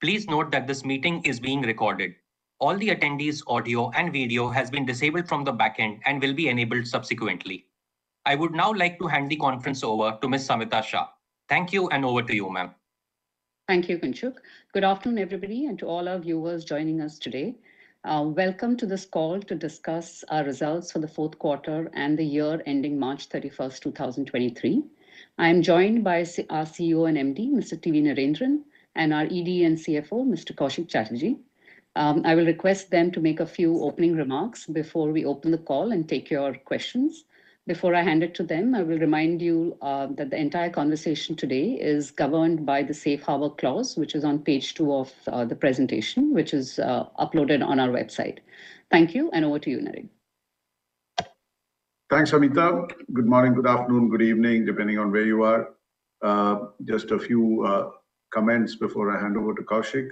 Please note that this meeting is being recorded. All the attendees' audio and video has been disabled from the back end and will be enabled subsequently. I would now like to hand the conference over to Ms. Samita Shah. Thank you. Over to you, ma'am. Thank you, Kinshuk. Good afternoon, everybody, and to all our viewers joining us today, welcome to this call to discuss our results for the 4th quarter and the year ending March 31st, 2023. I am joined by our CEO and MD, Mr. T.V. Narendran, and our ED and CFO, Mr. Koushik Chatterjee. I will request them to make a few opening remarks before we open the call and take your questions. Before I hand it to them, I will remind you that the entire conversation today is governed by the safe harbor clause, which is on page two of the presentation, which is uploaded on our website. Thank you, and over to you, Naren. Thanks, Samita. Good morning, good afternoon, good evening, depending on where you are. Just a few comments before I hand over to Koushik.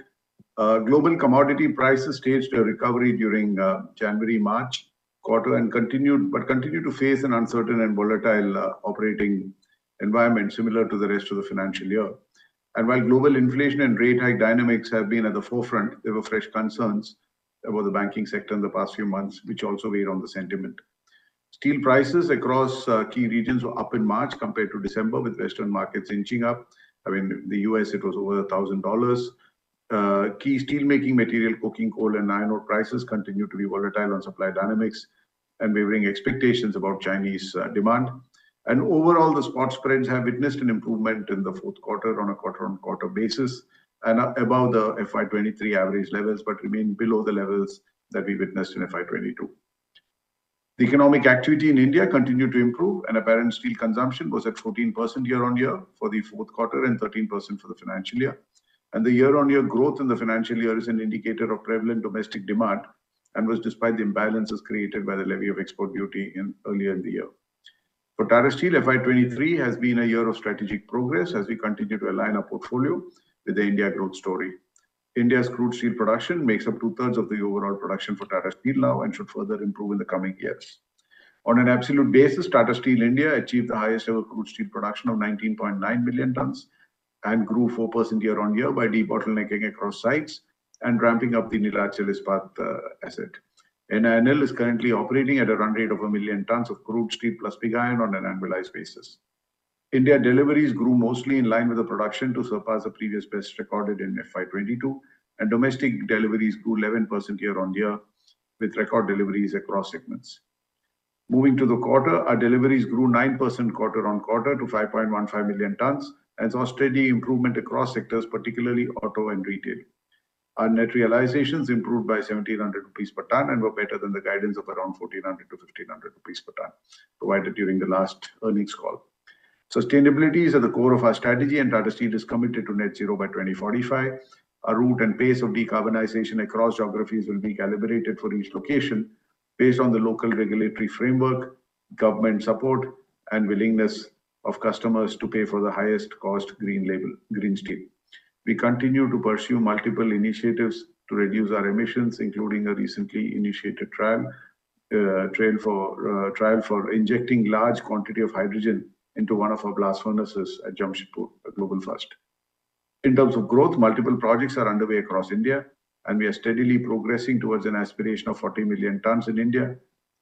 Global commodity prices staged a recovery during January-March quarter but continued to face an uncertain and volatile operating environment, similar to the rest of the financial year. While global inflation and rate hike dynamics have been at the forefront, there were fresh concerns about the banking sector in the past few months, which also weighed on the sentiment. Steel prices across key regions were up in March compared to December, with Western markets inching up. I mean, the U.S., it was over $1,000. Key steel-making material, coking coal and iron ore prices continued to be volatile on supply dynamics and weighing expectations about Chinese demand. Overall, the spot spreads have witnessed an improvement in the 4th quarter on a quarter-on-quarter basis and above the FY 2023 average levels, but remain below the levels that we witnessed in FY 2022. The economic activity in India continued to improve, and apparent steel consumption was at 14% year-on-year for the 4th quarter and 13% for the financial year. The year-on-year growth in the financial year is an indicator of prevalent domestic demand and was despite the imbalances created by the levy of export duty in earlier in the year. Tata Steel, FY 2023 has been a year of strategic progress as we continue to align our portfolio with the India growth story. India's crude steel production makes up two-thirds of the overall production for Tata Steel now and should further improve in the coming years. On an absolute basis, Tata Steel India achieved the highest ever crude steel production of 19.9 billion tonnes and grew 4% year-on-year by debottlenecking across sites and ramping up the Neelachal Ispat asset. NINL is currently operating at a run rate of one million tonnes of crude steel plus pig iron on an annualized basis. India deliveries grew mostly in line with the production to surpass the previous best recorded in FY 2022. Domestic deliveries grew 11% year-on-year with record deliveries across segments. Moving to the quarter, our deliveries grew 9% quarter-on-quarter to 5.15 million tonnes and saw steady improvement across sectors, particularly auto and retail. Our net realizations improved by 1,700 rupees per tonne and were better than the guidance of around 1,400-1,500 rupees per tonne provided during the last earnings call. Sustainability is at the core of our strategy. Tata Steel is committed to net zero by 2045. Our route and pace of decarbonization across geographies will be calibrated for each location based on the local regulatory framework, government support and willingness of customers to pay for the highest cost green label, green steel. We continue to pursue multiple initiatives to reduce our emissions, including a recently initiated trial for injecting large quantity of hydrogen into one of our blast furnaces at Jamshedpur, a global first. In terms of growth, multiple projects are underway across India. We are steadily progressing towards an aspiration of 40 million tonnes in India.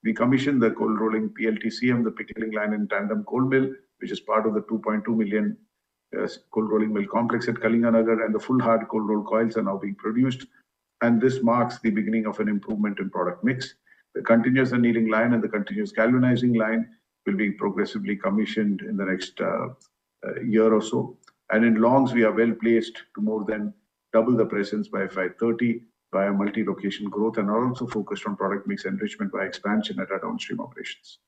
We commissioned the cold rolling PLTCM on the pickling line and tandem cold mill, which is part of the 2.2 million cold rolling mill complex at Kalinganagar, and the full hard cold rolled coils are now being produced. This marks the beginning of an improvement in product mix. The continuous annealing line and the continuous galvanizing line will be progressively commissioned in the next year or so. In longs, we are well-placed to more than double the presence by 530 via multi-location growth and are also focused on product mix enrichment by expansion at our downstream operations.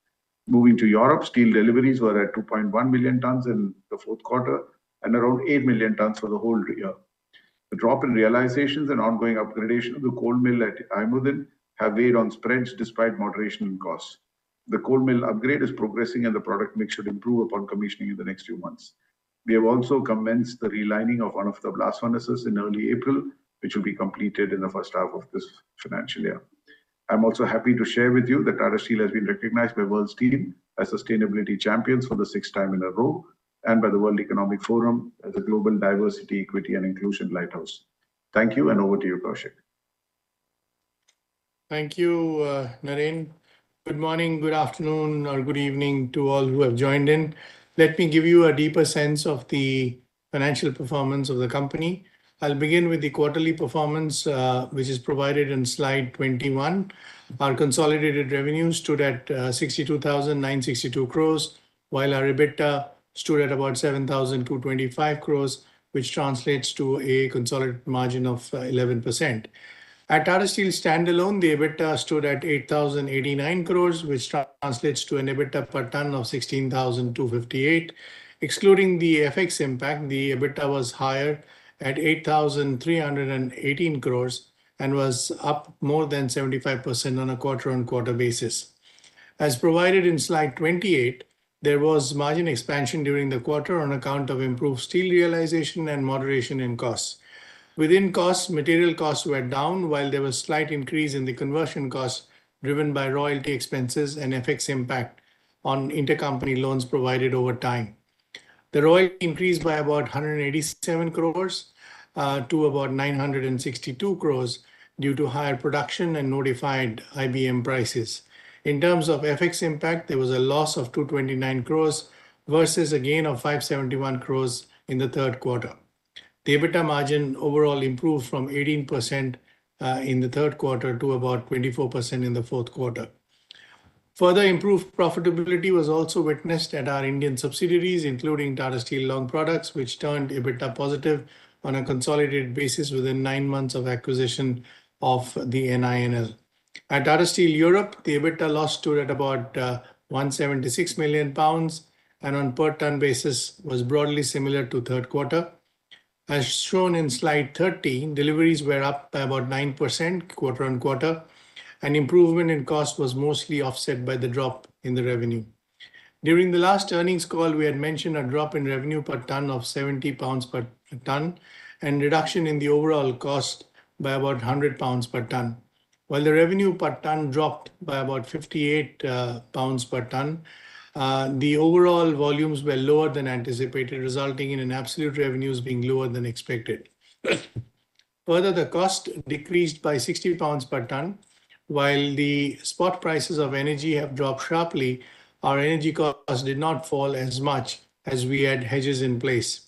Moving to Europe, steel deliveries were at 2.1 million tons in the 4th quarter and around eight million tons for the whole year. The drop in realizations and ongoing upgradation of the cold mill at IJmuiden have weighed on spreads despite moderation in costs. The cold mill upgrade is progressing, and the product mix should improve upon commissioning in the next few months. We have also commenced the relining of one of the blast furnaces in early April, which will be completed in the first half of this financial year. I'm also happy to share with you that Tata Steel has been recognized by worldsteel as sustainability champions for the sixth time in a row and by the World Economic Forum as a global diversity, equity and inclusion lighthouse. Thank you, and over to you, Koushik. Thank you, Naren. Good morning, good afternoon or good evening to all who have joined in. Let me give you a deeper sense of the financial performance of the company. I'll begin with the quarterly performance, which is provided in slide 21. Our consolidated revenue stood at 62,962 crores, while our EBITDA stood at about 7,225 crores, which translates to a consolidated margin of 11%. At Tata Steel standalone, the EBITDA stood at 8,089 crores, which translates to an EBITDA per tonne of 16,258. Excluding the FX impact, the EBITDA was higher at 8,318 crores and was up more than 75% on a quarter-on-quarter basis. As provided in slide 28, there was margin expansion during the quarter on account of improved steel realization and moderation in costs. Within costs, material costs were down while there was slight increase in the conversion costs driven by royalty expenses and FX impact. On intercompany loans provided over time, the ROI increased by about 187 crores to about 962 crores due to higher production and notified IBM prices. In terms of FX impact, there was a loss of 229 crores versus a gain of 571 crores in the 3rd quarter. The EBITDA margin overall improved from 18% in the 3rd quarter to about 24% in the 4th quarter. Further improved profitability was also witnessed at our Indian subsidiaries, including Tata Steel Long Products, which turned EBITDA positive on a consolidated basis within nine months of acquisition of the NINL. At Tata Steel Europe, the EBITDA loss stood at about 176 million pounds and on per ton basis was broadly similar to 3rd quarter. As shown in slide 13, deliveries were up by about 9% quarter-on-quarter. An improvement in cost was mostly offset by the drop in the revenue. During the last earnings call, we had mentioned a drop in revenue per ton of 70 pounds per ton and reduction in the overall cost by about 100 pounds per ton. While the revenue per ton dropped by about 58 pounds per ton, the overall volumes were lower than anticipated, resulting in an absolute revenues being lower than expected. Further, the cost decreased by 60 pounds per ton. While the spot prices of energy have dropped sharply, our energy costs did not fall as much as we had hedges in place.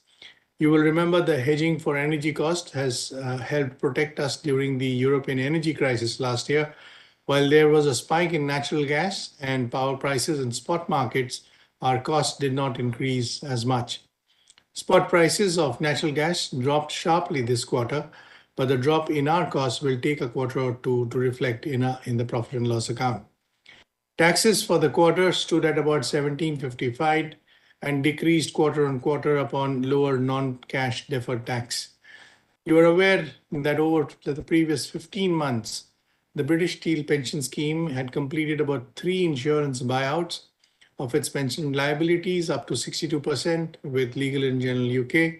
You will remember the hedging for energy cost has helped protect us during the European energy crisis last year. While there was a spike in natural gas and power prices in spot markets, our costs did not increase as much. Spot prices of natural gas dropped sharply this quarter, but the drop in our costs will take a quarter or two to reflect in the profit and loss account. Taxes for the quarter stood at about 1,755 and decreased quarter-on-quarter upon lower non-cash deferred tax. You are aware that over the previous 15 months, the British Steel Pension Scheme had completed about three insurance buyouts of its pension liabilities up to 62% with Legal & General.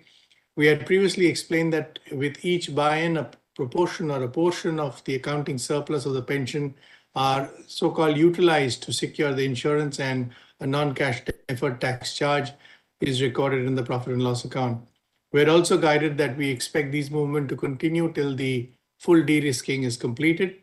We had previously explained that with each buy-in, a proportion or a portion of the accounting surplus of the pension are so-called utilized to secure the insurance and a non-cash deferred tax charge is recorded in the profit and loss account. We're also guided that we expect this movement to continue till the full de-risking is completed.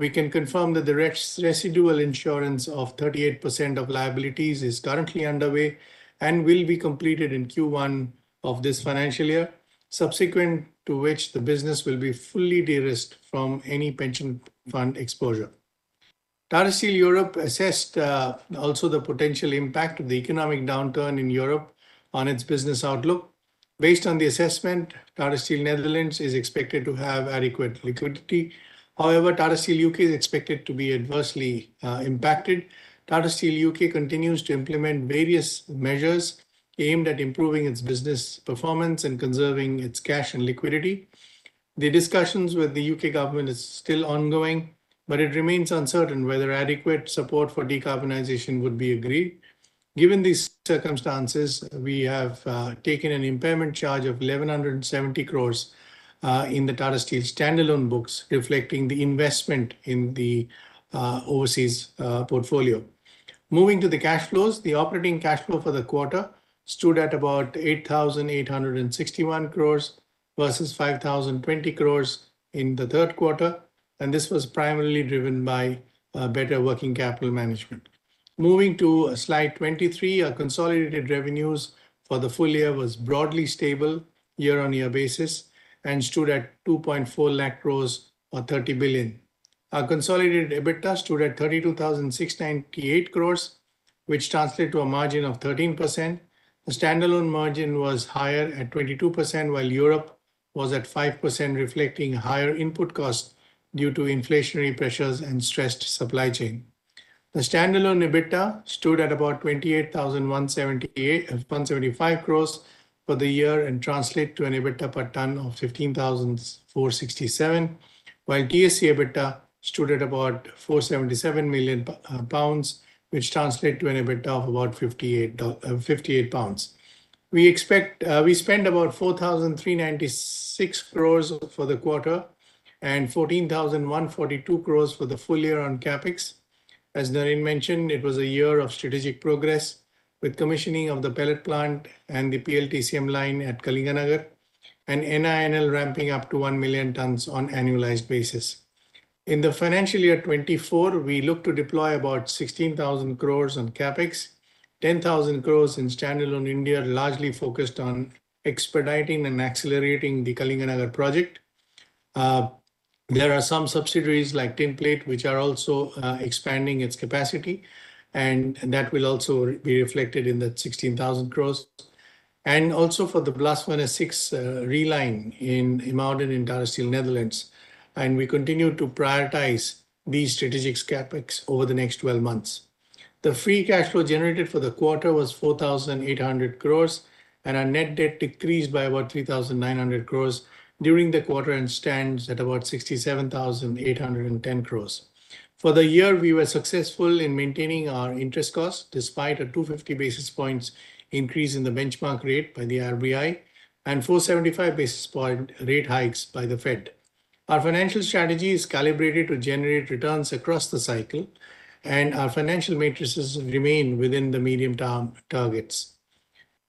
We can confirm that the residual insurance of 38% of liabilities is currently underway and will be completed in Q1 of this financial year, subsequent to which the business will be fully de-risked from any pension fund exposure. Tata Steel Europe assessed also the potential impact of the economic downturn in Europe on its business outlook. Based on the assessment, Tata Steel Netherlands is expected to have adequate liquidity. Tata Steel U.K. is expected to be adversely impacted. Tata Steel U.K. continues to implement various measures aimed at improving its business performance and conserving its cash and liquidity. The discussions with the U.K. government is still ongoing, but it remains uncertain whether adequate support for decarbonization would be agreed. Given these circumstances, we have taken an impairment charge of 1,170 crore in the Tata Steel standalone books, reflecting the investment in the overseas portfolio. Moving to the cash flows. The operating cash flow for the quarter stood at about 8,861 crore versus 5,020 crore in the 3rd quarter. This was primarily driven by better working capital management. Moving to slide 23, our consolidated revenues for the full year was broadly stable year-on-year basis and stood at 240,000 crore or $30 billion. Our consolidated EBITDA stood at 32,698 crores, which translate to a margin of 13%. The standalone margin was higher at 22%, while Europe was at 5%, reflecting higher input cost due to inflationary pressures and stressed supply chain. The standalone EBITDA stood at about 28,175 crores for the year and translate to an EBITDA per ton of 15,467, while TSE EBITDA stood at about 477 million pounds, which translate to an EBITDA of about 58 pounds. We spent about 4,396 crores for the quarter and 14,142 crores for the full year on CapEx. As Naren mentioned, it was a year of strategic progress with commissioning of the pellet plant and the PLTCM line at Kalinganagar and NINL ramping up to one million tons on annualized basis. In the financial year 2024, we look to deploy about 16,000 crores on CapEx, 10,000 crores in standalone India, largely focused on expediting and accelerating the Kalinganagar project. There are some subsidiaries like Tinplate, which are also expanding its capacity, and that will also be reflected in that 16,000 crores. Also for the Blast Furnace 6 relining in IJmuiden in Tata Steel Netherlands, and we continue to prioritize these strategic CapEx over the next 12 months. The free cash flow generated for the quarter was 4,800 crores, and our net debt decreased by about 3,900 crores during the quarter and stands at about 67,810 crores. For the year, we were successful in maintaining our interest costs despite a 250 basis points increase in the benchmark rate by the RBI and 475 basis point rate hikes by the Fed. Our financial strategy is calibrated to generate returns across the cycle, and our financial matrices remain within the medium-term targets.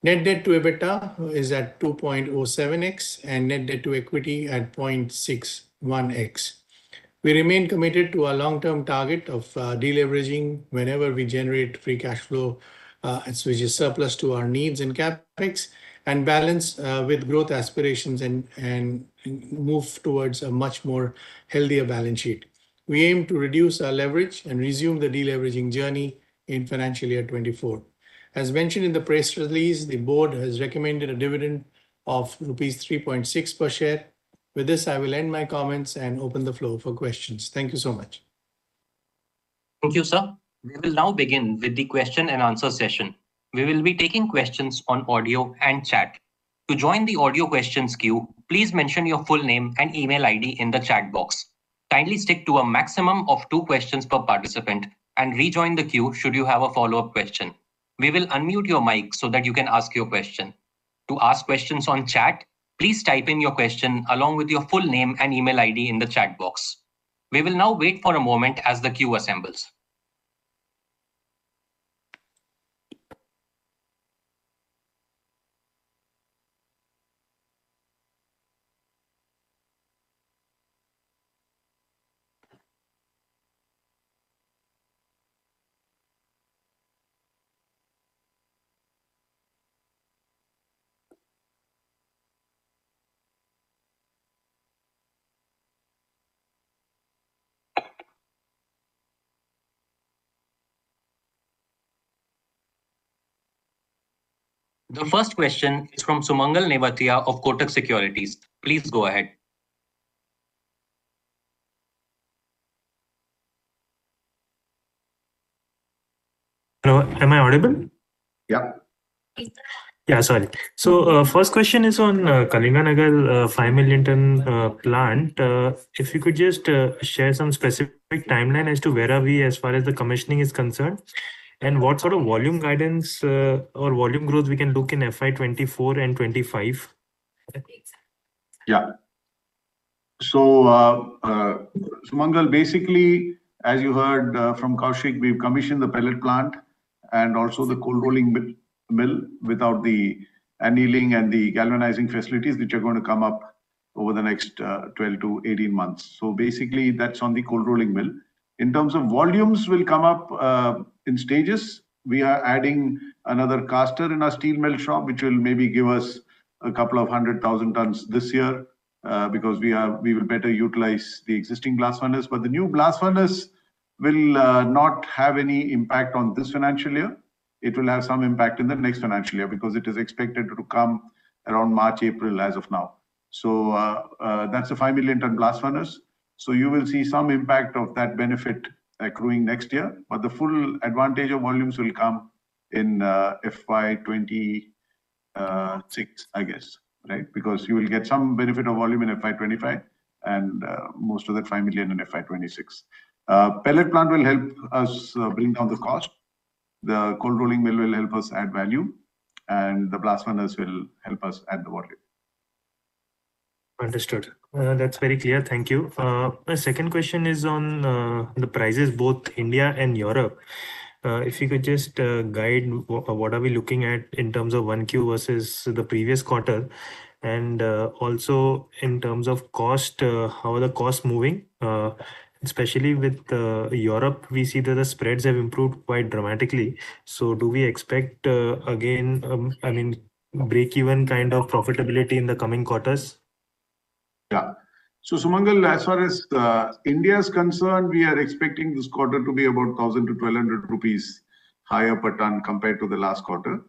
Net debt to EBITDA is at 2.07x and net debt to equity at 0.61x. We remain committed to our long-term target of deleveraging whenever we generate free cash flow, which is surplus to our needs in CapEx and balance with growth aspirations and move towards a much more healthier balance sheet. We aim to reduce our leverage and resume the deleveraging journey in financial year 2024. As mentioned in the press release, the board has recommended a dividend of rupees 3.6 per share. With this, I will end my comments and open the floor for questions. Thank you so much. Thank you, sir. We will now begin with the question and answer session. We will be taking questions on audio and chat. To join the audio questions queue, please mention your full name and email ID in the chat box. Kindly stick to a maximum of two questions per participant and rejoin the queue should you have a follow-up question. We will unmute your mic so that you can ask your question. To ask questions on chat, please type in your question along with your full name and email ID in the chat box. We will now wait for a moment as the queue assembles. The first question is from Sumangal Nevatia of Kotak Securities. Please go ahead. Hello, am I audible? Yeah. Yeah, sorry. First question is on Kalinganagar, five million ton plant. If you could just share some specific timeline as to where are we as far as the commissioning is concerned, and what sort of volume guidance or volume growth we can look in FY 2024 and 2025. Sumangal Nevatia, basically, as you heard from Koushik Chatterjee, we've commissioned the pellet plant and also the cold rolling mill without the annealing and the galvanizing facilities which are going to come up over the next 12-18 months. Basically that's on the cold rolling mill. In terms of volumes will come up in stages. We are adding another caster in our steel mill shop, which will maybe give us 200,000 tons this year because we will better utilize the existing blast furnace. The new blast furnace will not have any impact on this financial year. It will have some impact in the next financial year because it is expected to come around March, April as of now. That's a five million ton blast furnace. You will see some impact of that benefit accruing next year. The full advantage of volumes will come in FY 2026, I guess, right? Because you will get some benefit of volume in FY 2025 and most of that five million in FY 2026. Pellet plant will help us bring down the cost. The cold rolling mill will help us add value, and the blast furnace will help us add the volume. Understood. That's very clear. Thank you. My second question is on the prices both India and Europe. If you could just guide what are we looking at in terms of 1Q versus the previous quarter and also in terms of cost, how are the costs moving? Especially with Europe, we see that the spreads have improved quite dramatically. Do we expect again, I mean, break even kind of profitability in the coming quarters? Sumangal, as far as India is concerned, we are expecting this quarter to be about 1,000-1,200 rupees higher per ton compared to the last quarter.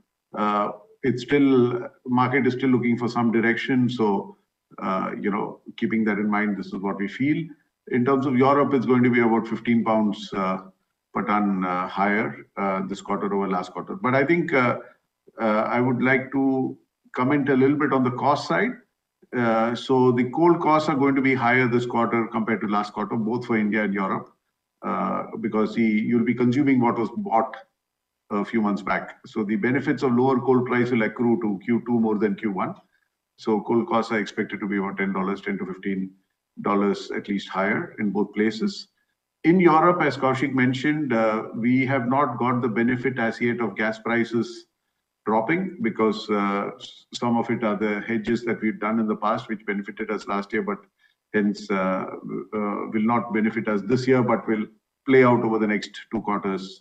Market is still looking for some direction. You know, keeping that in mind, this is what we feel. In terms of Europe, it's going to be about 15 pounds per ton higher this quarter over last quarter. I think I would like to comment a little bit on the cost side. The coal costs are going to be higher this quarter compared to last quarter, both for India and Europe, because you'll be consuming what was bought a few months back. The benefits of lower coal price will accrue to Q2 more than Q1. Coal costs are expected to be about $10, $10-$15 at least higher in both places. In Europe, as Koushik Chatterjee mentioned, we have not got the benefit as yet of gas prices dropping because some of it are the hedges that we've done in the past, which benefited us last year, but hence will not benefit us this year, but will play out over the next two quarters,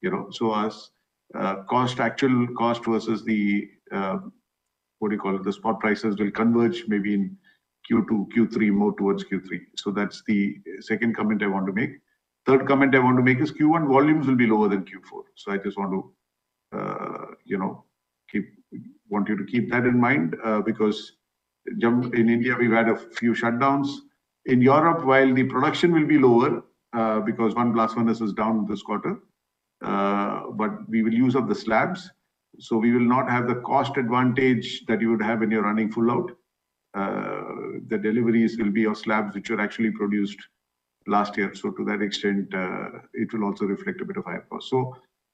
you know. As cost, actual cost versus the what do you call it? The spot prices will converge maybe in Q2, Q3, more towards Q3. That's the second comment I want to make. Third comment I want to make is Q1 volumes will be lower than Q4. I just want to, you know, want you to keep that in mind, because in India, we've had a few shutdowns. In Europe, while the production will be lower, because one blast furnace is down this quarter, we will use up the slabs. We will not have the cost advantage that you would have in your running full load. The deliveries will be of slabs which are actually produced last year. To that extent, it will also reflect a bit of high cost.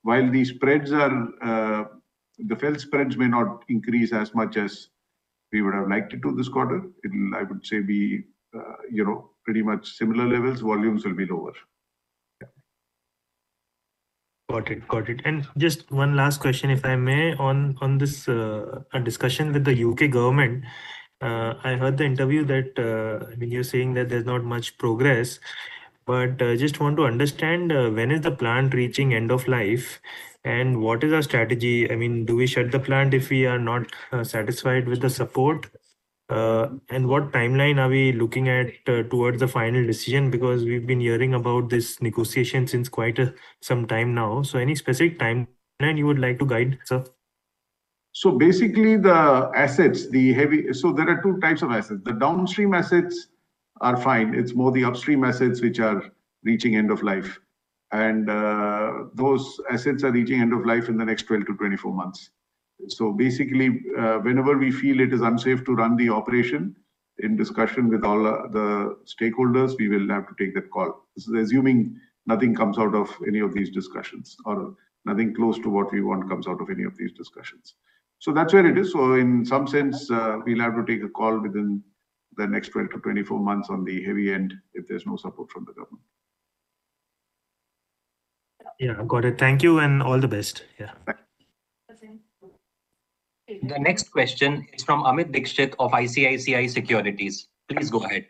While these spreads are, the failed spreads may not increase as much as we would have liked it to this quarter. It'll, I would say, be, you know, pretty much similar levels. Volumes will be lower. Yeah. Got it. Got it. Just one last question, if I may, on this discussion with the U.K. government. I heard the interview that, I mean, you're saying that there's not much progress. Just want to understand, when is the plant reaching end of life, and what is our strategy? I mean, do we shut the plant if we are not satisfied with the support? What timeline are we looking at towards the final decision? Because we've been hearing about this negotiation since quite some time now. Any specific timeline you would like to guide, sir? Basically the assets, the heavy, there are two types of assets. The downstream assets are fine. It's more the upstream assets which are reaching end of life. Those assets are reaching end of life in the next 12-24 months. Basically, whenever we feel it is unsafe to run the operation, in discussion with all the stakeholders, we will have to take that call. This is assuming nothing comes out of any of these discussions or nothing close to what we want comes out of any of these discussions. That's where it is. In some sense, we'll have to take a call within the next 12-24 months on the heavy end if there's no support from the government. Yeah. Got it. Thank you, and all the best. Yeah. Okay. The next question is from Amit Dixit of ICICI Securities. Please go ahead.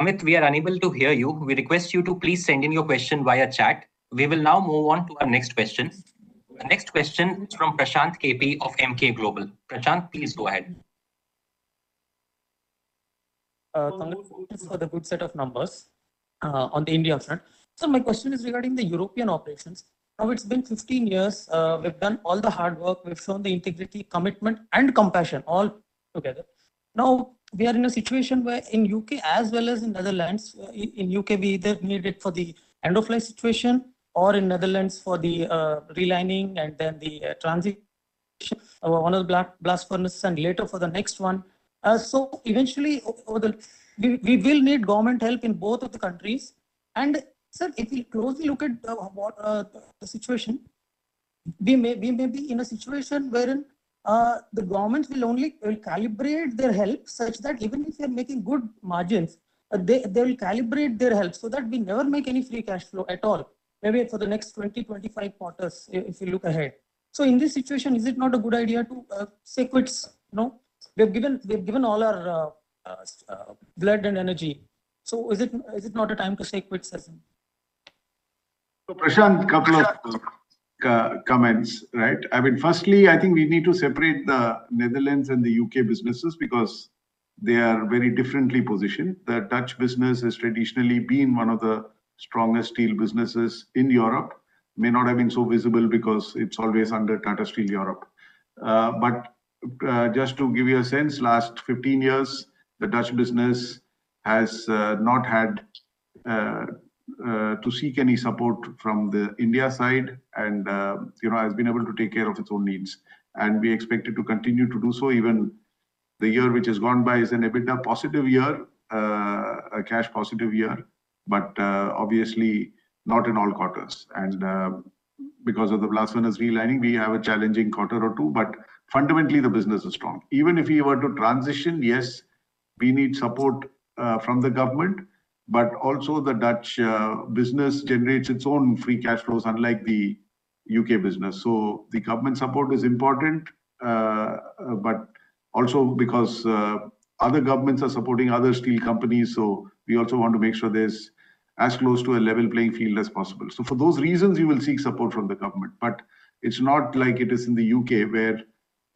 Amit, we are unable to hear you. We request you to please send in your question via chat. We will now move on to our next question. The next question is from Prashanth P. of Emkay Global. Prashant, please go ahead. Thank you for the good set of numbers on the India front. My question is regarding the European operations. Now, it's been 15 years. We've done all the hard work. We've shown the integrity, commitment, and compassion all together. Now, we are in a situation where in U.K. as well as in Netherlands, in U.K. we either need it for the end of life situation or in Netherlands for the relining and then the transition of one of the blast furnaces and later for the next one. Eventually over the. We will need government help in both of the countries. Sir, if you closely look at what the situation, we may be in a situation wherein the government will only calibrate their help such that even if we are making good margins, they will calibrate their help so that we never make any free cash flow at all, maybe for the next 20-25 quarters if you look ahead. In this situation, is it not a good idea to say quits, no? We've given, we've given all our blood and energy. Is it not a time to say quits, as in? Prashant, couple of co-comments, right? I mean, firstly, I think we need to separate the Netherlands and the U.K. businesses because they are very differently positioned. The Dutch business has traditionally been one of the strongest steel businesses in Europe. May not have been so visible because it's always under Tata Steel Europe. But, just to give you a sense, last 15 years the Dutch business has not had to seek any support from the India side and, you know, has been able to take care of its own needs. We expect it to continue to do so even the year which has gone by is an EBITDA positive year, a cash positive year. Obviously not in all quarters. Because of the blast furnace relining, we have a challenging quarter or two. Fundamentally the business is strong. Even if we were to transition, yes, we need support from the government. Also the Dutch business generates its own free cash flows, unlike the U.K. business. The government support is important, but also because other governments are supporting other steel companies, we also want to make sure there's as close to a level playing field as possible. For those reasons, we will seek support from the government. It's not like it is in the U.K., where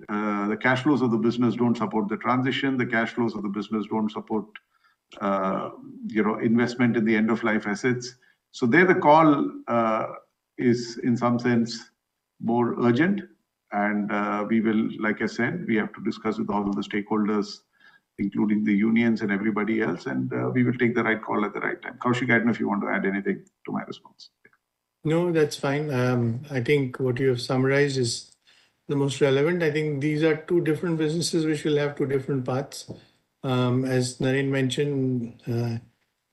the cash flows of the business don't support the transition, the cash flows of the business don't support, you know, investment in the end of life assets. There the call is in some sense more urgent. We will, like I said, we have to discuss with all of the stakeholders, including the unions and everybody else. We will take the right call at the right time. Koushik, I don't know if you want to add anything to my response? No, that's fine. I think what you have summarized is the most relevant. I think these are two different businesses which will have two different paths. As Naren mentioned,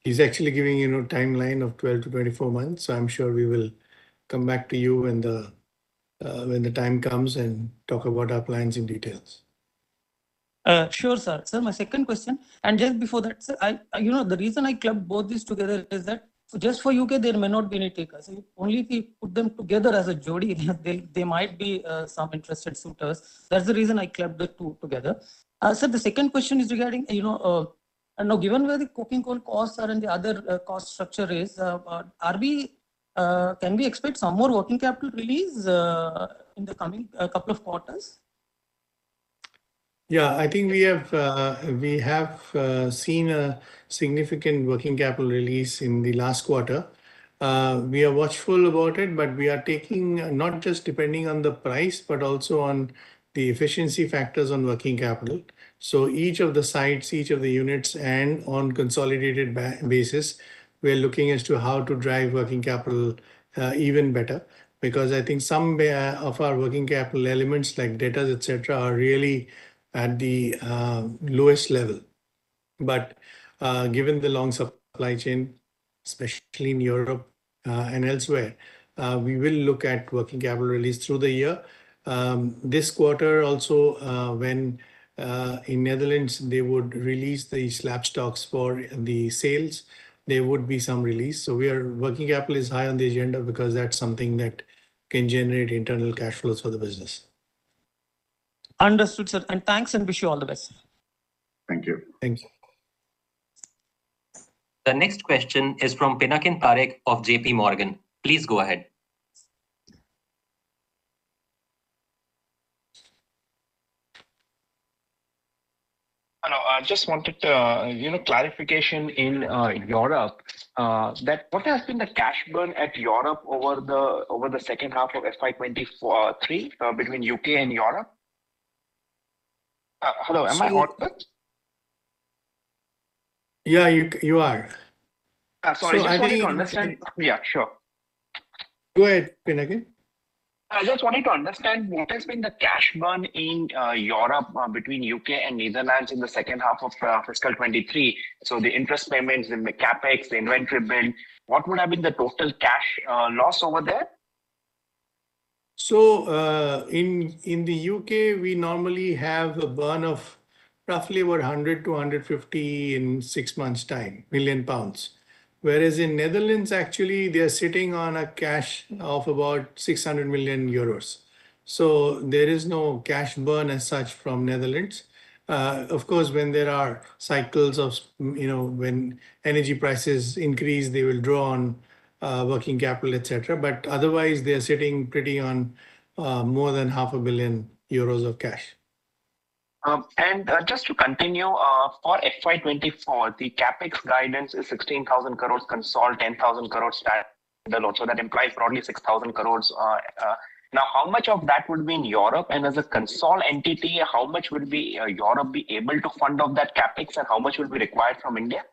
he's actually giving you a timeline of 12-24 months. I'm sure we will come back to you when the time comes and talk about our plans in details. Sure, sir. Just before that, sir, I, you know, the reason I clubbed both these together is that just for U.K. there may not be any takers. Only if we put them together as a Jodi, there might be some interested suitors. That's the reason I clubbed the two together. Sir, the second question is regarding, you know, now given where the coking coal costs are and the other cost structure is, can we expect some more working capital release in the coming couple of quarters? Yeah, I think we have seen a significant working capital release in the last quarter. We are watchful about it, but we are taking not just depending on the price, but also on the efficiency factors on working capital. Each of the sites, each of the units, and on consolidated basis, we are looking as to how to drive working capital, even better. I think some of our working capital elements, like datas, et cetera, are really at the lowest level. Given the long supply chain, especially in Europe, and elsewhere, we will look at working capital release through the year. This quarter also, when, in Netherlands, they would release the slab stocks for the sales, there would be some release. Working capital is high on the agenda because that's something that can generate internal cash flows for the business. Understood, sir, and thanks, and wish you all the best. Thank you. Thanks. The next question is from Pinakin Parekh of JPMorgan. Please go ahead. Hello. I just wanted, you know, clarification in Europe that what has been the cash burn at Europe over the second half of FY 2024, FY 2023, between U.K. and Europe? Hello, am I audible? Yeah, you are. Sorry. I think. Just wanted to understand. Yeah, sure. Go ahead, Pinakin. I just wanted to understand what has been the cash burn in Europe between U.K. and Netherlands in the second half of fiscal 2023? The interest payments, then the CapEx, the inventory build, what would have been the total cash loss over there? In the U.K., we normally have a burn of roughly 100 million-150 million in six months' time. In Netherlands, actually, they are sitting on a cash of about 600 million euros. There is no cash burn as such from Netherlands. Of course, when there are cycles of, you know, when energy prices increase, they will draw on working capital, et cetera. Otherwise they are sitting pretty on more than half a billion euros of cash. Just to continue for FY 2024, the CapEx guidance is 16,000 crores, consolidated 10,000 crores stand alone. That implies broadly 6,000 crores. Now, how much of that would be in Europe? As a consolidated entity, how much would Europe be able to fund of that CapEx, and how much would be required from India?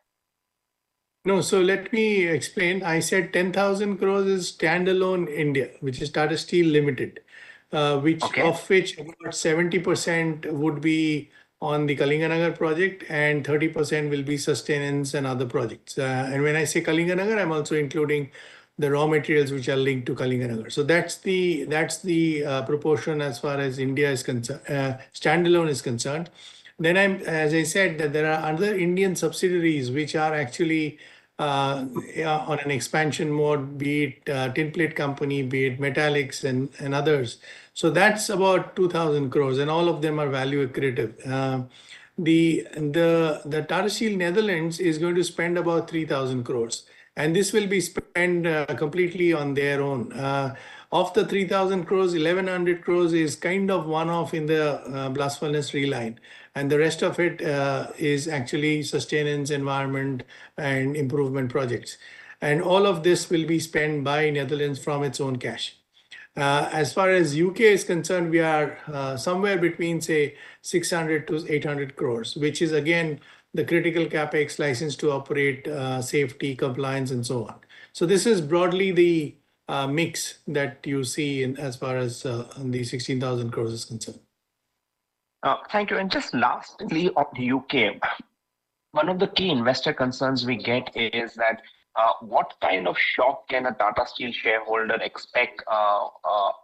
No. Let me explain. I said 10,000 crores is stand-alone India, which is Tata Steel Limited. Okay. Of which about 70% would be on the Kalinganagar Project and 30% will be sustenance and other projects. When I say Kalinganagar, I'm also including the raw materials which are linked to Kalinganagar. That's the proportion as far as India stand-alone is concerned. As I said, there are other Indian subsidiaries which are actually on an expansion mode, be it The Tinplate Company of India, be it metallics and others. That's about 2,000 crores, and all of them are value accretive. The Tata Steel Netherlands is going to spend about 3,000 crores, and this will be spent completely on their own. Of the 3,000 crores, 1,100 crores is kind of one-off in the blast furnace reline, and the rest of it is actually sustenance, environment and improvement projects. All of this will be spent by Netherlands from its own cash. As far as U.K. is concerned, we are somewhere between, say, 600 crores-800 crores, which is again the critical CapEx license to operate, safety compliance and so on. This is broadly the mix that you see in as far as the 16,000 crores is concerned. Thank you. Just lastly on the U.K., one of the key investor concerns we get is that, what kind of shock can a Tata Steel shareholder expect,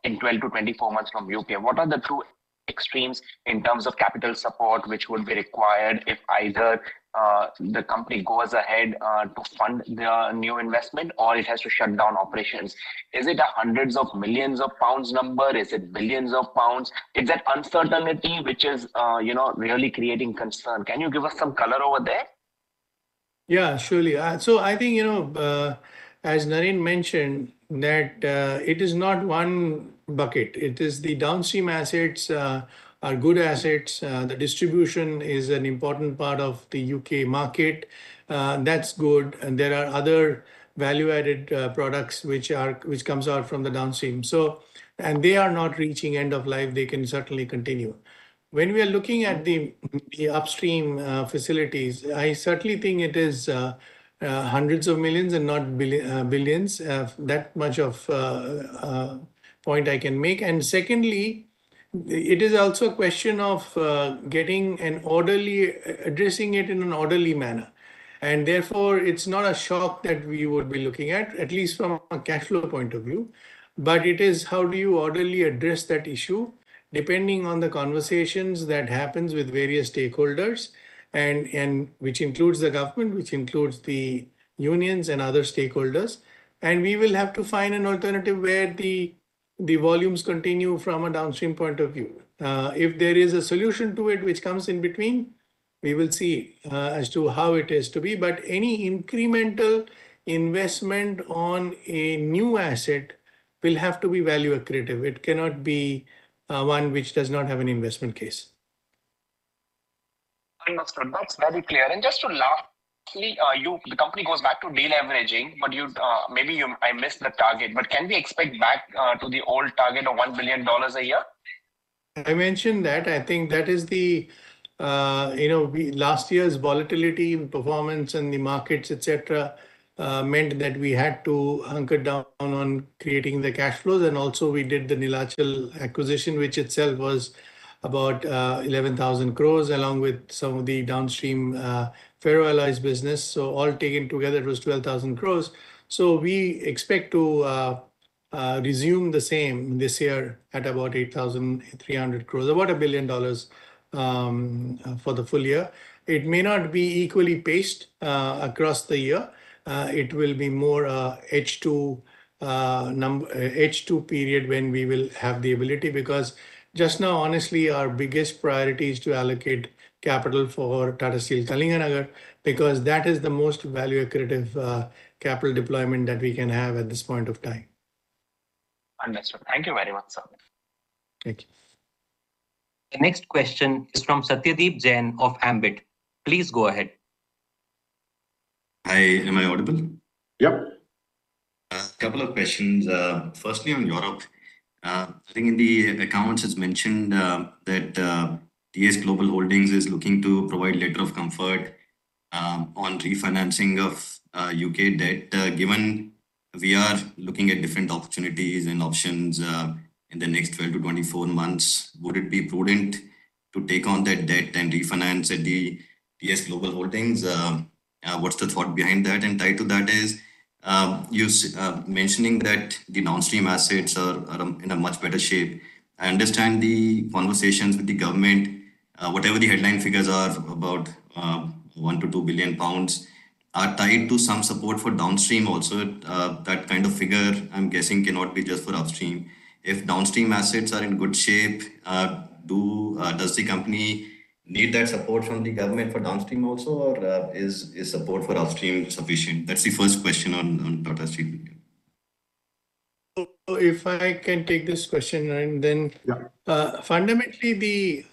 in 12-24 months from U.K.? What are the two extremes in terms of capital support which would be required if either, the company goes ahead, to fund the new investment or it has to shut down operations? Is it a hundreds of millions of GBP number? Is it billions of GBP? It's that uncertainty which is, you know, really creating concern. Can you give us some color over there? Yeah, surely. So I think, you know, as Naren mentioned, that it is not one bucket. It is the downstream assets are good assets. The distribution is an important part of the U.K. market. That's good. There are other value-added products which comes out from the downstream. They are not reaching end of life, they can certainly continue. When we are looking at the upstream facilities, I certainly think it is hundreds of millions and not billions. That much of a point I can make. Secondly, it is also a question of addressing it in an orderly manner. Therefore it's not a shock that we would be looking at least from a cash flow point of view. It is how do you orderly address that issue depending on the conversations that happens with various stakeholders, and which includes the government, which includes the unions and other stakeholders. We will have to find an alternative where the volumes continue from a downstream point of view. If there is a solution to it which comes in between. We will see as to how it is to be. Any incremental investment on a new asset will have to be value accretive. It cannot be one which does not have an investment case. Understood. That's very clear. Just to lastly, the company goes back to deleveraging, but I missed the target, but can we expect back to the old target of $1 billion a year? I mentioned that. I think that is the, you know, Last year's volatility, performance in the markets, et cetera, meant that we had to hunker down on creating the cash flows. Also we did the Neelachal acquisition, which itself was about 11,000 crores, along with some of the downstream, ferro alloys business. All taken together, it was 12,000 crores. We expect to resume the same this year at about 8,300 crores, about $1 billion, for the full year. It may not be equally paced, across the year. It will be more H2 period when we will have the ability. Just now, honestly, our biggest priority is to allocate capital for Tata Steel Kalinganagar, because that is the most value accretive capital deployment that we can have at this point of time. Understood. Thank you very much, sir. Thank you. The next question is from Satyadeep Jain of Ambit. Please go ahead. Hi, am I audible? Yep. A couple of questions. Firstly, on Europe. I think in the accounts it's mentioned, that TS Global Holdings is looking to provide letter of comfort on refinancing of U.K. debt. Given we are looking at different opportunities and options, in the next 12-24 months, would it be prudent to take on that debt and refinance at the TS Global Holdings? What's the thought behind that? Tied to that is you mentioning that the downstream assets are in a much better shape. I understand the conversations with the government, whatever the headline figures are, about 1 billion-2 billion pounds are tied to some support for downstream also. That kind of figure, I'm guessing, cannot be just for upstream. If downstream assets are in good shape, does the company need that support from the government for downstream also or is support for upstream sufficient? That's the first question on Tata Steel. If I can take this question and then. Yeah. Fundamentally the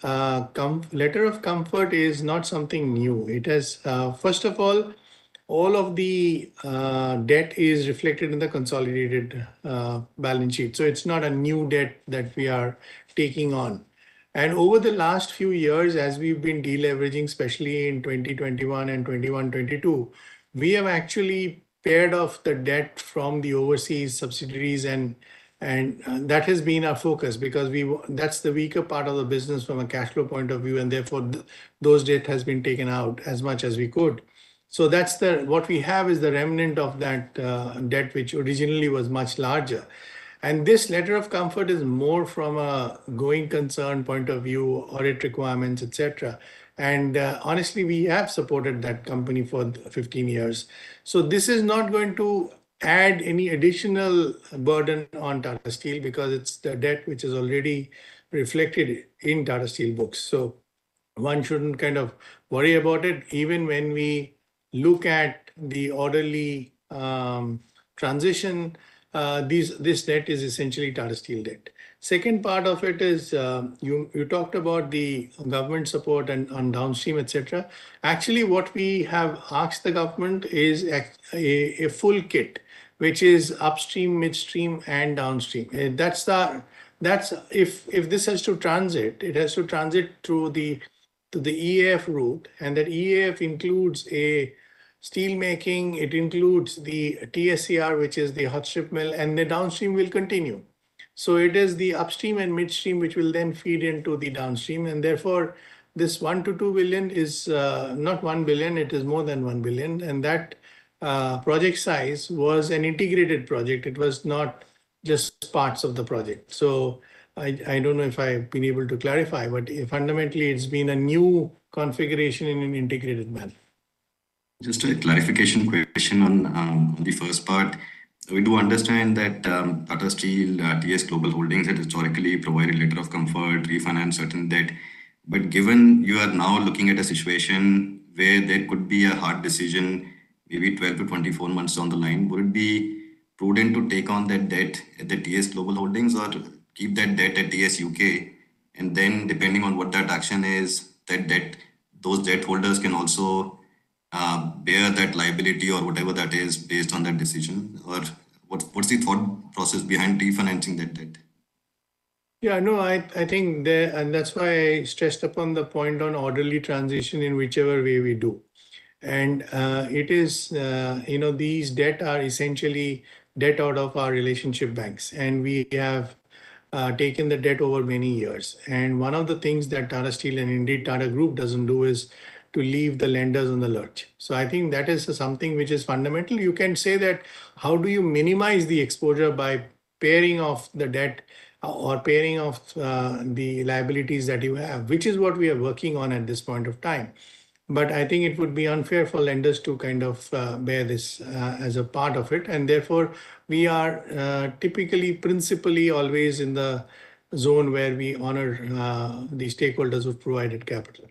letter of comfort is not something new. It is. First of all of the debt is reflected in the consolidated balance sheet, so it's not a new debt that we are taking on. Over the last few years, as we've been deleveraging, especially in 2021 and 2021-2022, we have actually paired off the debt from the overseas subsidiaries and that has been our focus because we that's the weaker part of the business from a cash flow point of view and therefore those debt has been taken out as much as we could. That's what we have is the remnant of that debt, which originally was much larger. This letter of comfort is more from a going concern point of view, audit requirements, et cetera. Honestly, we have supported that company for 15 years. This is not going to add any additional burden on Tata Steel because it's the debt which is already reflected in Tata Steel books. One shouldn't kind of worry about it. Even when we look at the orderly transition, this debt is essentially Tata Steel debt. Second part of it is, you talked about the government support and, on downstream, et cetera. Actually, what we have asked the government is a full kit, which is upstream, midstream and downstream. That's the, if this has to transit, it has to transit through the EAF route. That EAF includes a steel making, it includes the TSCR, which is the hot strip mill, and the downstream will continue. It is the upstream and midstream, which will then feed into the downstream. Therefore this 1 billion-2 billion is not 1 billion, it is more than 1 billion. That project size was an integrated project. It was not just parts of the project. I don't know if I've been able to clarify, but fundamentally it's been a new configuration in an integrated manner. Just a clarification question on on the first part. We do understand that Tata Steel TS Global Holdings had historically provided letter of comfort, refinance certain debt. Given you are now looking at a situation where there could be a hard decision maybe 12-24 months down the line, would it be prudent to take on that debt at the TS Global Holdings or to keep that debt at TS U.K.? And then depending on what that action is, that debt, those debt holders can also bear that liability or whatever that is based on that decision? Or what is the thought process behind refinancing that debt? No, I think that's why I stressed upon the point on orderly transition in whichever way we do. It is, you know, these debt are essentially debt out of our relationship banks, and we have taken the debt over many years. One of the things that Tata Steel and indeed Tata Group doesn't do is to leave the lenders in the lurch. I think that is something which is fundamental. You can say that how do you minimize the exposure by pairing off the debt or pairing off the liabilities that you have, which is what we are working on at this point of time. I think it would be unfair for lenders to kind of bear this as a part of it. Therefore we are, typically, principally always in the zone where we honor, the stakeholders who've provided capital.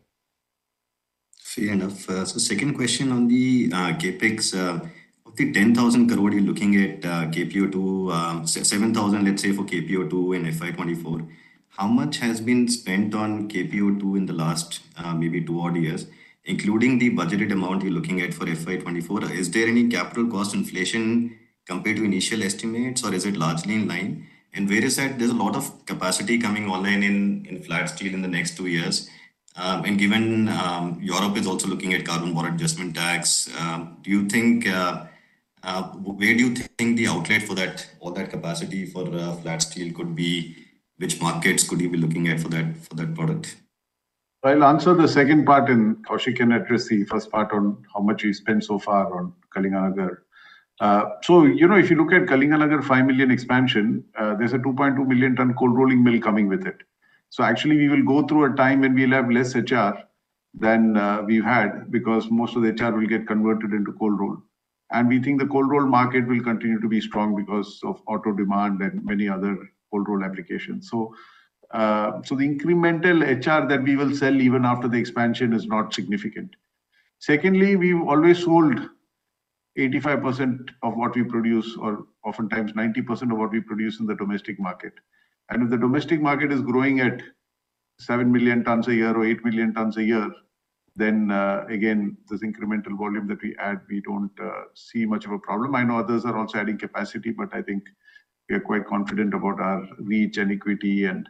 Fair enough. So second question on the CapEx. Of the 10,000 crore you're looking at, KPO2, 7,000, let's say, for KPO2 in FY 2024. How much has been spent on KPO2 in the last, maybe two odd years, including the budgeted amount you're looking at for FY 2024? Is there any capital cost inflation compared to initial estimates or is it largely in line? There's a lot of capacity coming online in flat steel in the next two years. Given, Europe is also looking at Carbon Border Adjustment Mechanism, do you think, where do you think the outlet for that, all that capacity for flat steel could be? Which markets could you be looking at for that, for that product? I'll answer the second part and Koushik can address the first part on how much we've spent so far on Kalinganagar. You know, if you look at Kalinganagar five million expansion, there's a 2.2 million ton cold rolling mill coming with it. Actually we will go through a time when we'll have less HR than we've had because most of the HR will get converted into cold roll. We think the cold roll market will continue to be strong because of auto demand and many other cold roll applications. The incremental HR that we will sell even after the expansion is not significant. Secondly, we've always sold 85% of what we produce, or oftentimes 90% of what we produce in the domestic market. If the domestic market is growing at seven million tons a year or eight million tons a year, then again, this incremental volume that we add, we don't see much of a problem. I know others are also adding capacity, but I think we are quite confident about our reach and equity and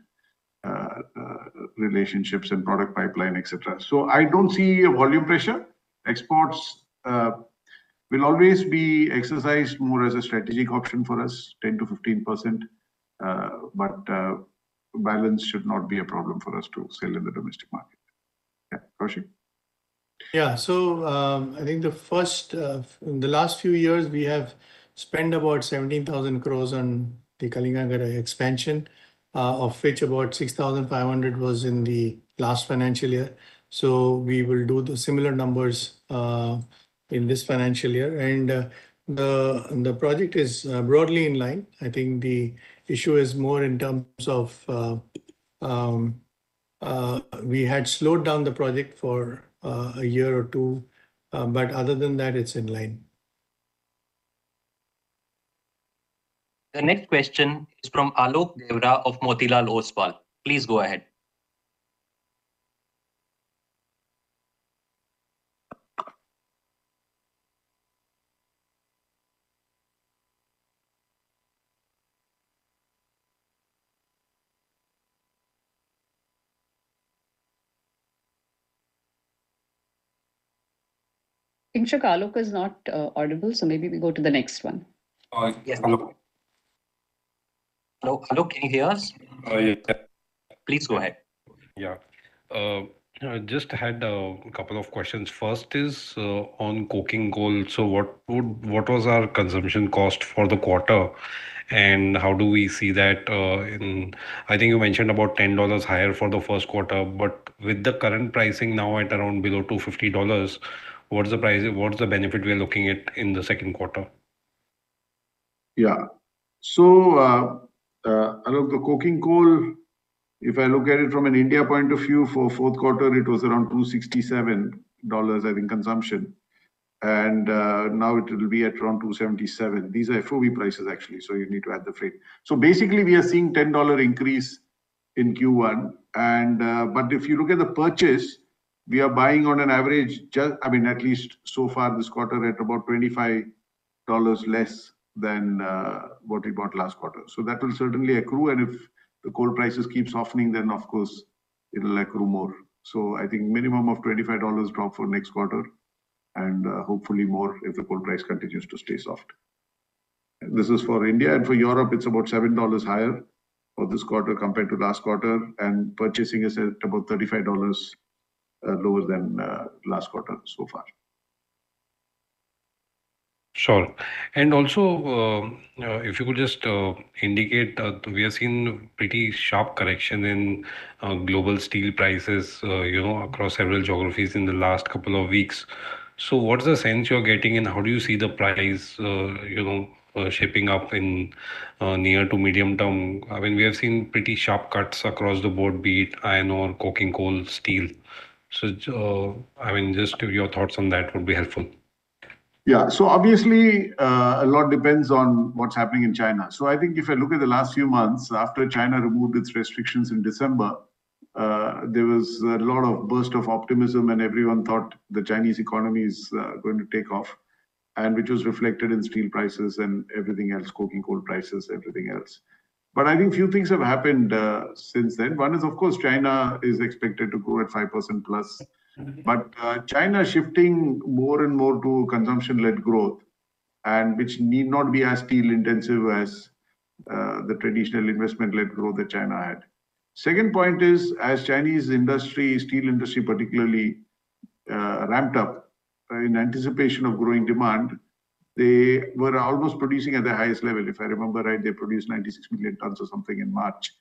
relationships and product pipeline, et cetera. I don't see a volume pressure. Exports will always be exercised more as a strategic option for us, 10%-15%, but balance should not be a problem for us to sell in the domestic market. Yeah. Koushik? I think the first in the last few years we have spent about 17,000 crore on the Kalinganagar expansion, of which about 6,500 was in the last financial year. We will do the similar numbers in this financial year. The project is broadly in line. I think the issue is more in terms of we had slowed down the project for a year or two. Other than that, it's in line. The next question is from Alok Deora of Motilal Oswal. Please go ahead. I think Sir Alok is not audible. Maybe we go to the next one. All right. Yes. Alok, can you hear us? Yeah. Please go ahead. I just had a couple of questions. First is on coking coal. What was our consumption cost for the quarter, and how do we see that. I think you mentioned about $10 higher for the 1st quarter, but with the current pricing now at around below $250, what is the benefit we are looking at in the 2nd quarter? Yeah. Alok, the coking coal, if I look at it from an India point of view, for 4th quarter it was around $267, I think, consumption. Now it will be at around $277. These are FOB prices actually, so you need to add the freight. Basically we are seeing $10 increase in Q1 and if you look at the purchase, we are buying on an average just, I mean, at least so far this quarter, at about $25 less than what we bought last quarter. That will certainly accrue and if the coal prices keep softening then of course it'll accrue more. I think minimum of $25 drop for next quarter and hopefully more if the coal price continues to stay soft. This is for India. For Europe, it's about $7 higher for this quarter compared to last quarter, and purchasing is at about $35 lower than last quarter so far. Sure. Also, if you could just indicate, we are seeing pretty sharp correction in global steel prices, you know, across several geographies in the last couple of weeks. What is the sense you're getting and how do you see the price, you know, shaping up in near to medium term? I mean, we have seen pretty sharp cuts across the board, be it iron ore, coking coal, steel. I mean, just your thoughts on that would be helpful. Yeah. Obviously, a lot depends on what's happening in China. I think if I look at the last few months after China removed its restrictions in December, there was a lot of burst of optimism and everyone thought the Chinese economy is going to take off and which was reflected in steel prices and everything else, coking coal prices, everything else. I think few things have happened since then. One is, of course, China is expected to grow at 5%+. Mm-hmm. China is shifting more and more to consumption-led growth, which need not be as steel intensive as the traditional investment-led growth that China had. Second point is as Chinese industry, steel industry particularly, ramped up in anticipation of growing demand, they were almost producing at their highest level. If I remember right, they produced 96 million tons or something in March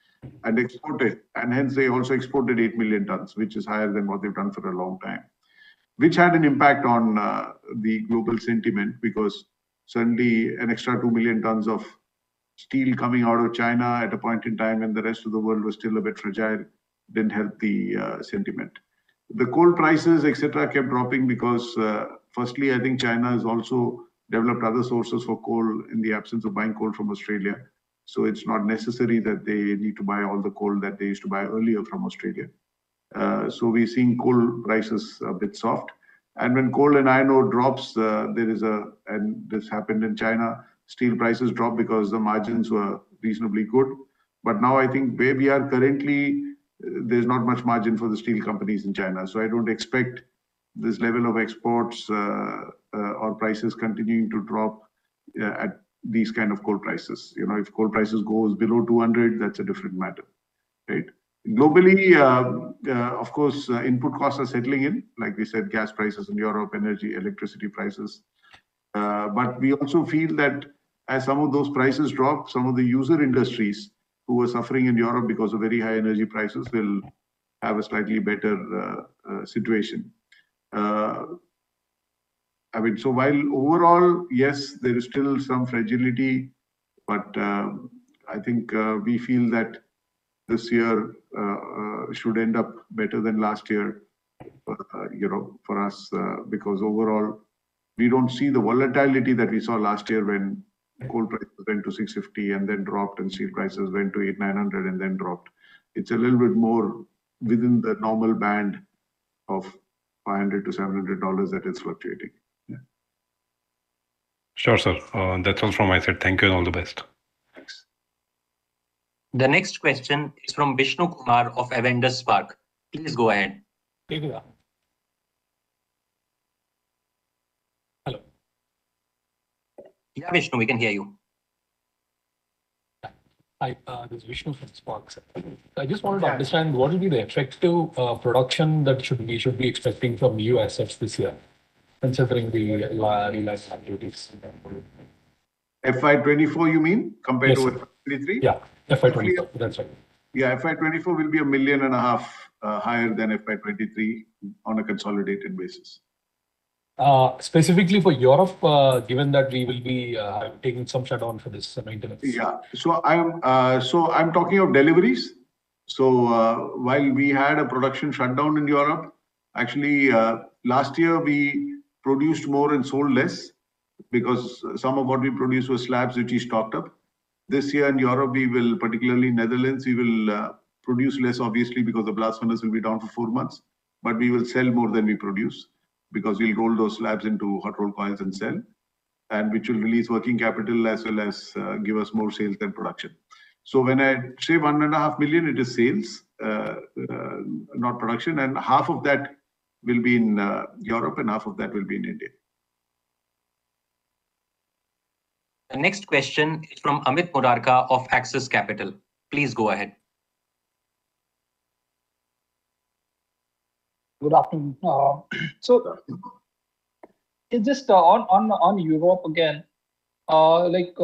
and exported. Hence they also exported eight million tons, which is higher than what they've done for a long time, which had an impact on the global sentiment, because suddenly an extra two million tons of co-Steel coming out of China at a point in time when the rest of the world was still a bit fragile didn't help the sentiment. The coal prices, et cetera, kept dropping because, firstly, I think China has also developed other sources for coal in the absence of buying coal from Australia. It's not necessary that they need to buy all the coal that they used to buy earlier from Australia. So we're seeing coal prices a bit soft. When coal and iron ore drops, this happened in China, steel prices dropped because the margins were reasonably good. Now I think where we are currently, there's not much margin for the steel companies in China. I don't expect this level of exports, or prices continuing to drop, at these kind of coal prices. You know, if coal prices goes below 200, that's a different matter. Right? Globally, of course, input costs are settling in, like we said, gas prices in Europe, energy, electricity prices. We also feel that as some of those prices drop, some of the user industries who are suffering in Europe because of very high energy prices will have a slightly better situation. I mean, while overall, yes, there is still some fragility, I think we feel that this year should end up better than last year for, you know, for us. Overall, we don't see the volatility that we saw last year when coal prices went to $650 and then dropped, and steel prices went to $800, $900 and then dropped. It's a little bit more within the normal band of $500-$700 that it's fluctuating. Yeah. Sure, sir. That's all from my side. Thank you and all the best. Thanks. The next question is from Vishnu Kumar of Avendus Spark. Please go ahead. Please go ahead. Hello. Yeah, Vishnu, we can hear you. Hi. This is Vishnu from Spark. Yeah. I just wanted to understand what will be the effective production we should be expecting from USF this year, considering your realized activities in them? FY 2024 you mean compared to? Yes 2023? Yeah. FY 2024. That's right. Yeah, FY 2024 will be a million and a half higher than FY 2023 on a consolidated basis. Specifically for Europe, given that we will be taking some shutdown for this maintenance. Yeah. I'm talking of deliveries. While we had a production shutdown in Europe, actually, last year we produced more and sold less because some of what we produced was slabs, which is stocked up. This year in Europe we will, particularly Netherlands, we will produce less obviously because the blast furnaces will be down for four months. We will sell more than we produce because we'll roll those slabs into hot rolled coils and sell, and which will release working capital as well as give us more sales than production. When I say 1.5 million, it is sales, not production, and half of that will be in Europe and half of that will be in India. The next question is from Amit Murarka of Axis Capital. Please go ahead. Good afternoon. It's just on Europe again. Like,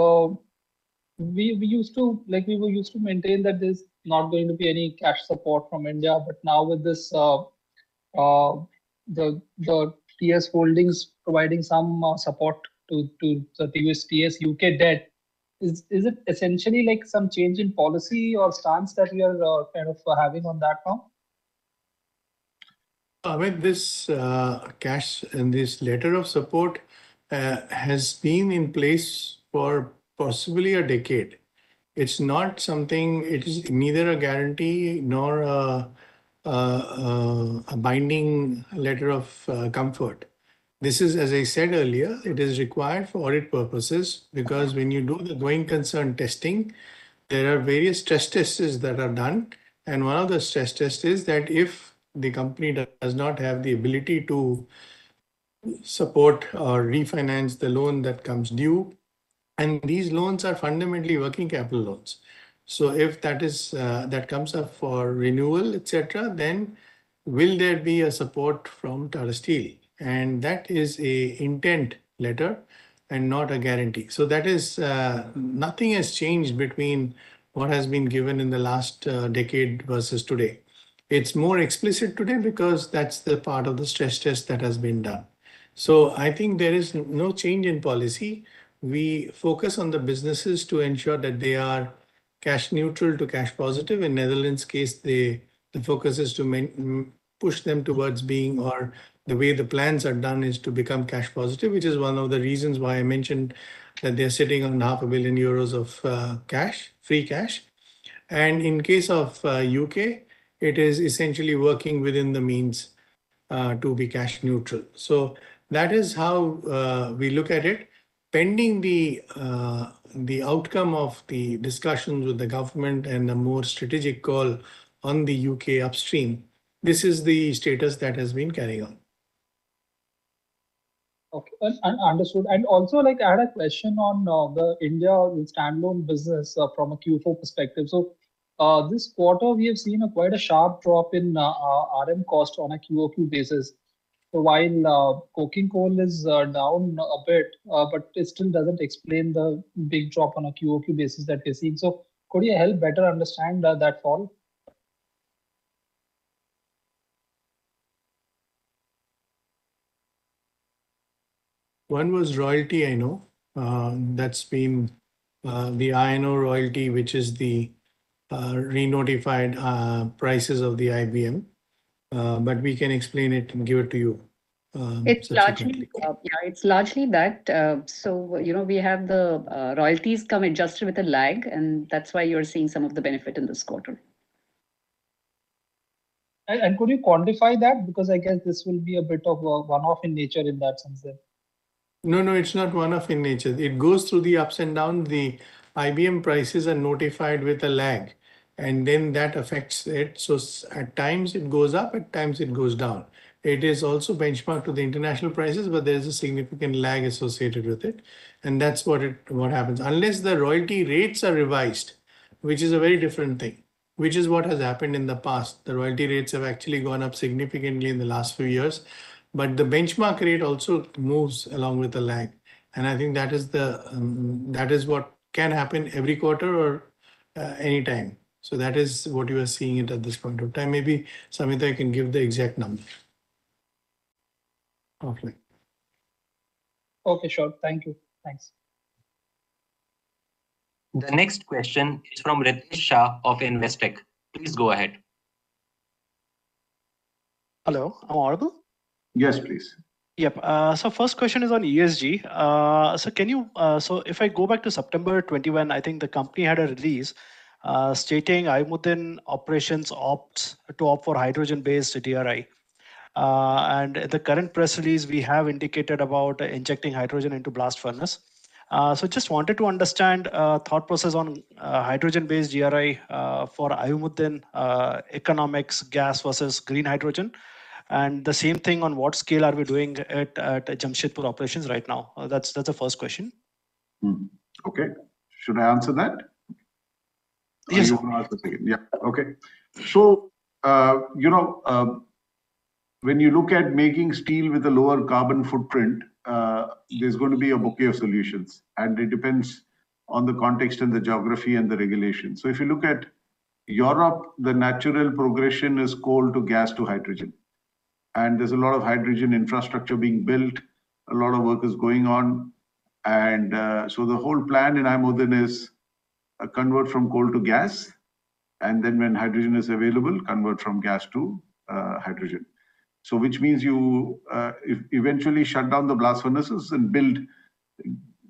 we used to maintain that there's not going to be any cash support from India, but now with this, the TS Holdings providing some support to the previous TS U.K. debt, is it essentially like some change in policy or stance that we are kind of having on that front? Amit, this cash and this letter of support has been in place for possibly a decade. It's not something. It is neither a guarantee nor a binding letter of comfort. This is, as I said earlier, it is required for audit purposes. Because when you do the going concern testing, there are various stress tests that are done. One of the stress tests is that if the company does not have the ability to support or refinance the loan that comes due, and these loans are fundamentally working capital loans. If that is, that comes up for renewal, et cetera, then will there be a support from Tata Steel? That is a intent letter and not a guarantee. That is, nothing has changed between what has been given in the last decade versus today. It's more explicit today because that's the part of the stress test that has been done. I think there is no change in policy. We focus on the businesses to ensure that they are cash neutral to cash positive. In Netherlands case, the focus is to push them towards being or the way the plans are done is to become cash positive, which is one of the reasons why I mentioned that they're sitting on half a billion euros of cash, free cash. In case of U.K., it is essentially working within the means to be cash neutral. That is how we look at it. Pending the outcome of the discussions with the government and the more strategic call on the U.K. upstream, this is the status that has been carrying on. Okay. Understood. Also, like, I had a question on the India standalone business from a Q4 perspective. This quarter we have seen a quite a sharp drop in RM cost on a QOQ basis. While coking coal is down a bit, but it still doesn't explain the big drop on a QOQ basis that we're seeing. Could you help better understand that fall? One was royalty, I know. That's been the Iron Ore royalty, which is the re-notified prices of the IBM. We can explain it and give it to you specifically. It's largely. Yeah, it's largely that. You know, we have the royalties come adjusted with a lag, and that's why you're seeing some of the benefit in this quarter. Could you quantify that? Because I guess this will be a bit of a one-off in nature in that sense then? No, no, it's not one-off in nature. It goes through the ups and down. The IBM prices are notified with a lag, that affects it. At times it goes up, at times it goes down. It is also benchmarked to the international prices, but there is a significant lag associated with it, and that's what happens. Unless the royalty rates are revised, which is a very different thing, which is what has happened in the past. The royalty rates have actually gone up significantly in the last few years. The benchmark rate also moves along with the lag, and I think that is the, that is what can happen every quarter or any time. That is what you are seeing it at this point of time. Maybe Samita can give the exact number. Okay. Okay, sure. Thank you. Thanks. The next question is from Ritesh Shah of Investec. Please go ahead. Hello, am I audible? Yes, please. Yep. First question is on ESG. Can you, if I go back to September 2021, I think the company had a release stating IJmuiden operations opts to opt for hydrogen-based DRI. And the current press release we have indicated about injecting hydrogen into blast furnace. Just wanted to understand thought process on hydrogen-based DRI for IJmuiden, economics gas versus green hydrogen. And the same thing, on what scale are we doing at Jamshedpur operations right now? That's the first question. Okay. Should I answer that? Yes. You can answer second. Yeah. Okay. You know, when you look at making steel with a lower carbon footprint, there's gonna be a bouquet of solutions, and it depends on the context and the geography and the regulation. A lot of work is going on. The whole plan in IJmuiden is convert from coal to gas, and then when hydrogen is available, convert from gas to hydrogen. Which means you eventually shut down the blast furnaces and build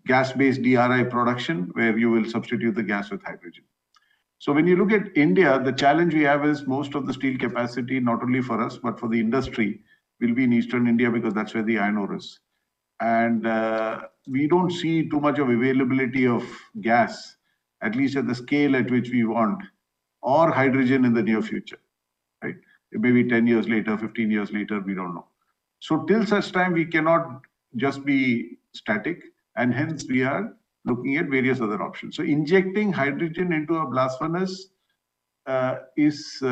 gas-based DRI production where you will substitute the gas with hydrogen. When you look at India, the challenge we have is most of the steel capacity, not only for us, but for the industry, will be in Eastern India because that's where the iron ore is. We don't see too much of availability of gas, at least at the scale at which we want or hydrogen in the near future. Right? It may be 10 years later, 15 years later, we don't know. Till such time, we cannot just be static, and hence we are looking at various other options. Injecting hydrogen into a blast furnace is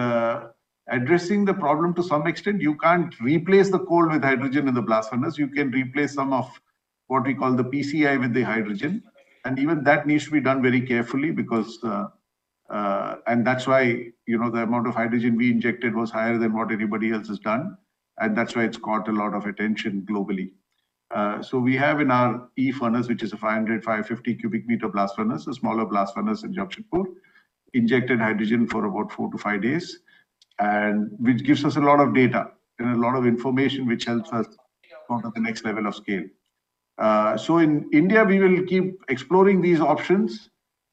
addressing the problem to some extent. You can't replace the coal with hydrogen in the blast furnace. You can replace some of what we call the PCI with the hydrogen, and even that needs to be done very carefully because. That's why, you know, the amount of hydrogen we injected was higher than what anybody else has done, and that's why it's caught a lot of attention globally. We have in our E-furnace, which is a 500, 550 cubic meter blast furnace, a smaller blast furnace in Jamshedpur, injected hydrogen for about four to five days, which gives us a lot of data and a lot of information which helps us go to the next level of scale. In India, we will keep exploring these options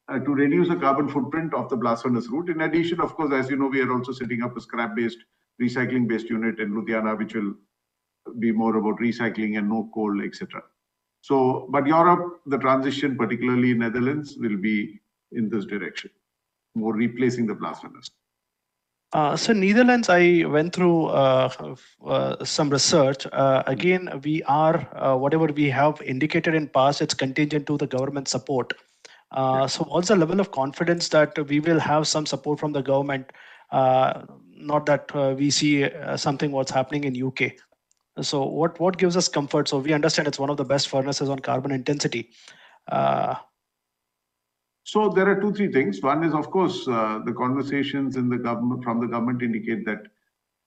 to reduce the carbon footprint of the blast furnace route. In addition, of course, as you know, we are also setting up a scrap-based, recycling-based unit in Ludhiana, which will be more about recycling and no coal, et cetera. Europe, the transition, particularly Netherlands, will be in this direction. More replacing the blast furnace. Netherlands, I went through some research. Again, we are whatever we have indicated in past, it's contingent to the government support. Yeah. What's the level of confidence that we will have some support from the government? Not that, we see, something what's happening in U.K. What, what gives us comfort? We understand it's one of the best furnaces on carbon intensity. There aretwo, three things. One is, of course, the conversations in the government, from the government indicate that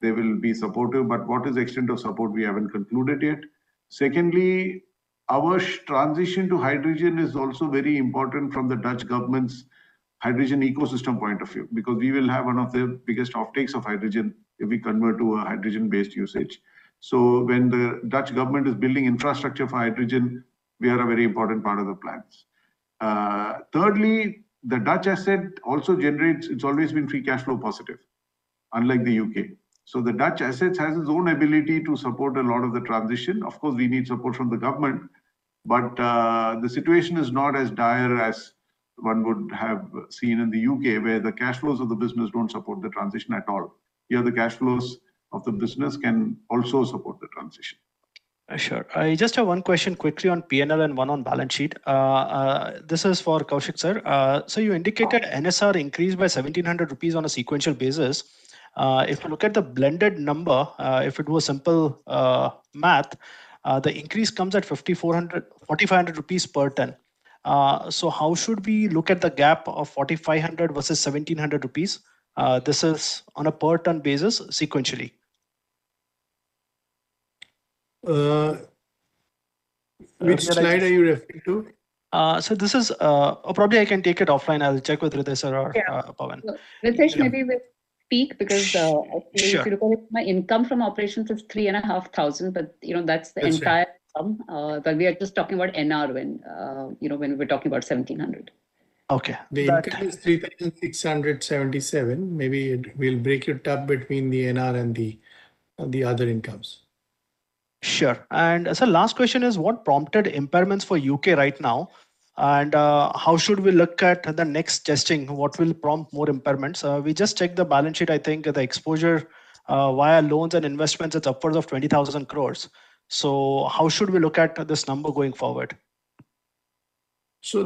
they will be supportive. What is the extent of support, we haven't concluded yet. Secondly, our transition to hydrogen is also very important from the Dutch government's hydrogen ecosystem point of view because we will have one of the biggest offtakes of hydrogen if we convert to a hydrogen-based usage. When the Dutch government is building infrastructure for hydrogen, we are a very important part of the plans. Thirdly, the Dutch asset also generates. It's always been free cash flow positive, unlike the U.K. The Dutch assets has its own ability to support a lot of the transition. Of course, we need support from the government, but the situation is not as dire as one would have seen in the U.K., where the cash flows of the business don't support the transition at all. Here, the cash flows of the business can also support the transition. Sure. I just have one question quickly on P&L and one on balance sheet. This is for Koushik, sir. You indicated NSR increased by 1,700 rupees on a sequential basis. If you look at the blended number, if it was simple math, the increase comes at 5,400 rupees, 4,500 rupees per ton. How should we look at the gap of 4,500 versus 1,700 rupees? This is on a per ton basis sequentially. Which slide are you referring to? Probably I can take it offline. I'll check with Ritesh or Pawan. Yeah. Ritesh maybe will speak because, Sure. If you look at my income from operations is three and a half thousand, but, you know. That's right. We are just talking about NR when, you know, when we're talking about 1,700. Okay. The income is 3,677. Maybe it will break it up between the NR and the other incomes. Sure. Sir, last question is what prompted impairments for U.K. right now? How should we look at the next testing? What will prompt more impairments? We just checked the balance sheet. I think the exposure, via loans and investments, it's upwards of 20,000 crores. How should we look at this number going forward?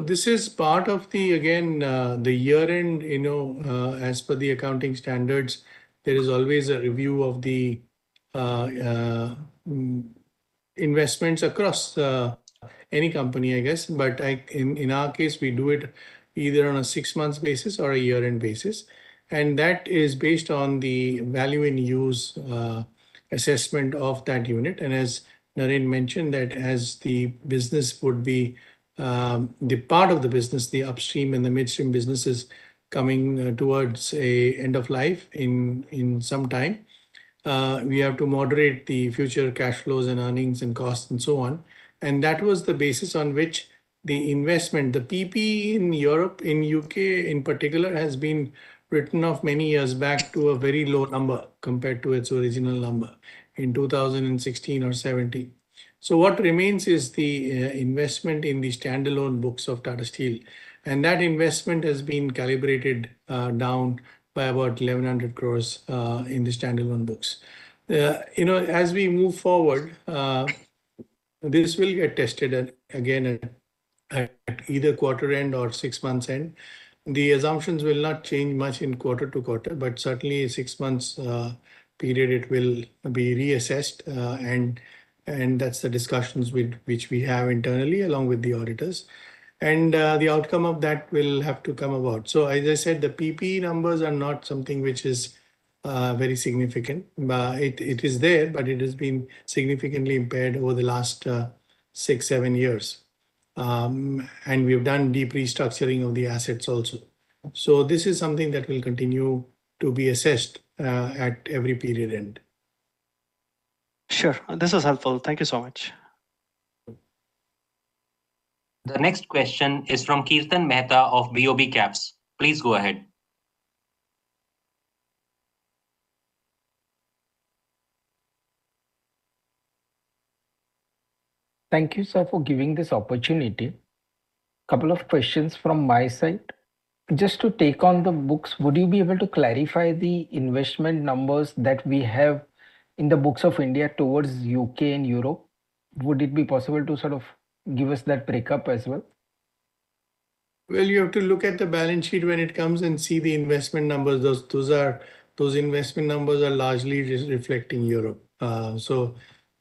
This is part of the, again, the year-end, you know, as per the accounting standards, there is always a review of the investments across any company, I guess. I, in our case, we do it either on a six-month basis or a year-end basis, and that is based on the value and use assessment of that unit. As Naren mentioned, that as the business would be, the part of the business, the upstream and the midstream businesses coming towards a end of life in some time, we have to moderate the future cash flows and earnings and costs and so on. That was the basis on which the investment, the PPE in Europe, in U.K. in particular, has been written off many years back to a very low number compared to its original number in 2016 or 2070. What remains is the investment in the standalone books of Tata Steel, and that investment has been calibrated down by about 1,100 crores in the standalone books. You know, as we move forward, this will get tested again at either quarter end or six months end. The assumptions will not change much in quarter to quarter, but certainly six months period, it will be reassessed. And that's the discussions which we have internally along with the auditors. The outcome of that will have to come about. As I said, the PPE numbers are not something which is very significant. It is there, but it has been significantly impaired over the last six, seven years. We have done deep restructuring of the assets also. This is something that will continue to be assessed at every period end. Sure. This is helpful. Thank you so much. The next question is from Kirtan Mehta of BOBCaps. Please go ahead. Thank you, sir, for giving this opportunity. Couple of questions from my side. Just to take on the books, would you be able to clarify the investment numbers that we have in the books of India towards U.K. and Europe? Would it be possible to sort of give us that break-up as well? Well, you have to look at the balance sheet when it comes and see the investment numbers. Those investment numbers are largely re-reflecting Europe.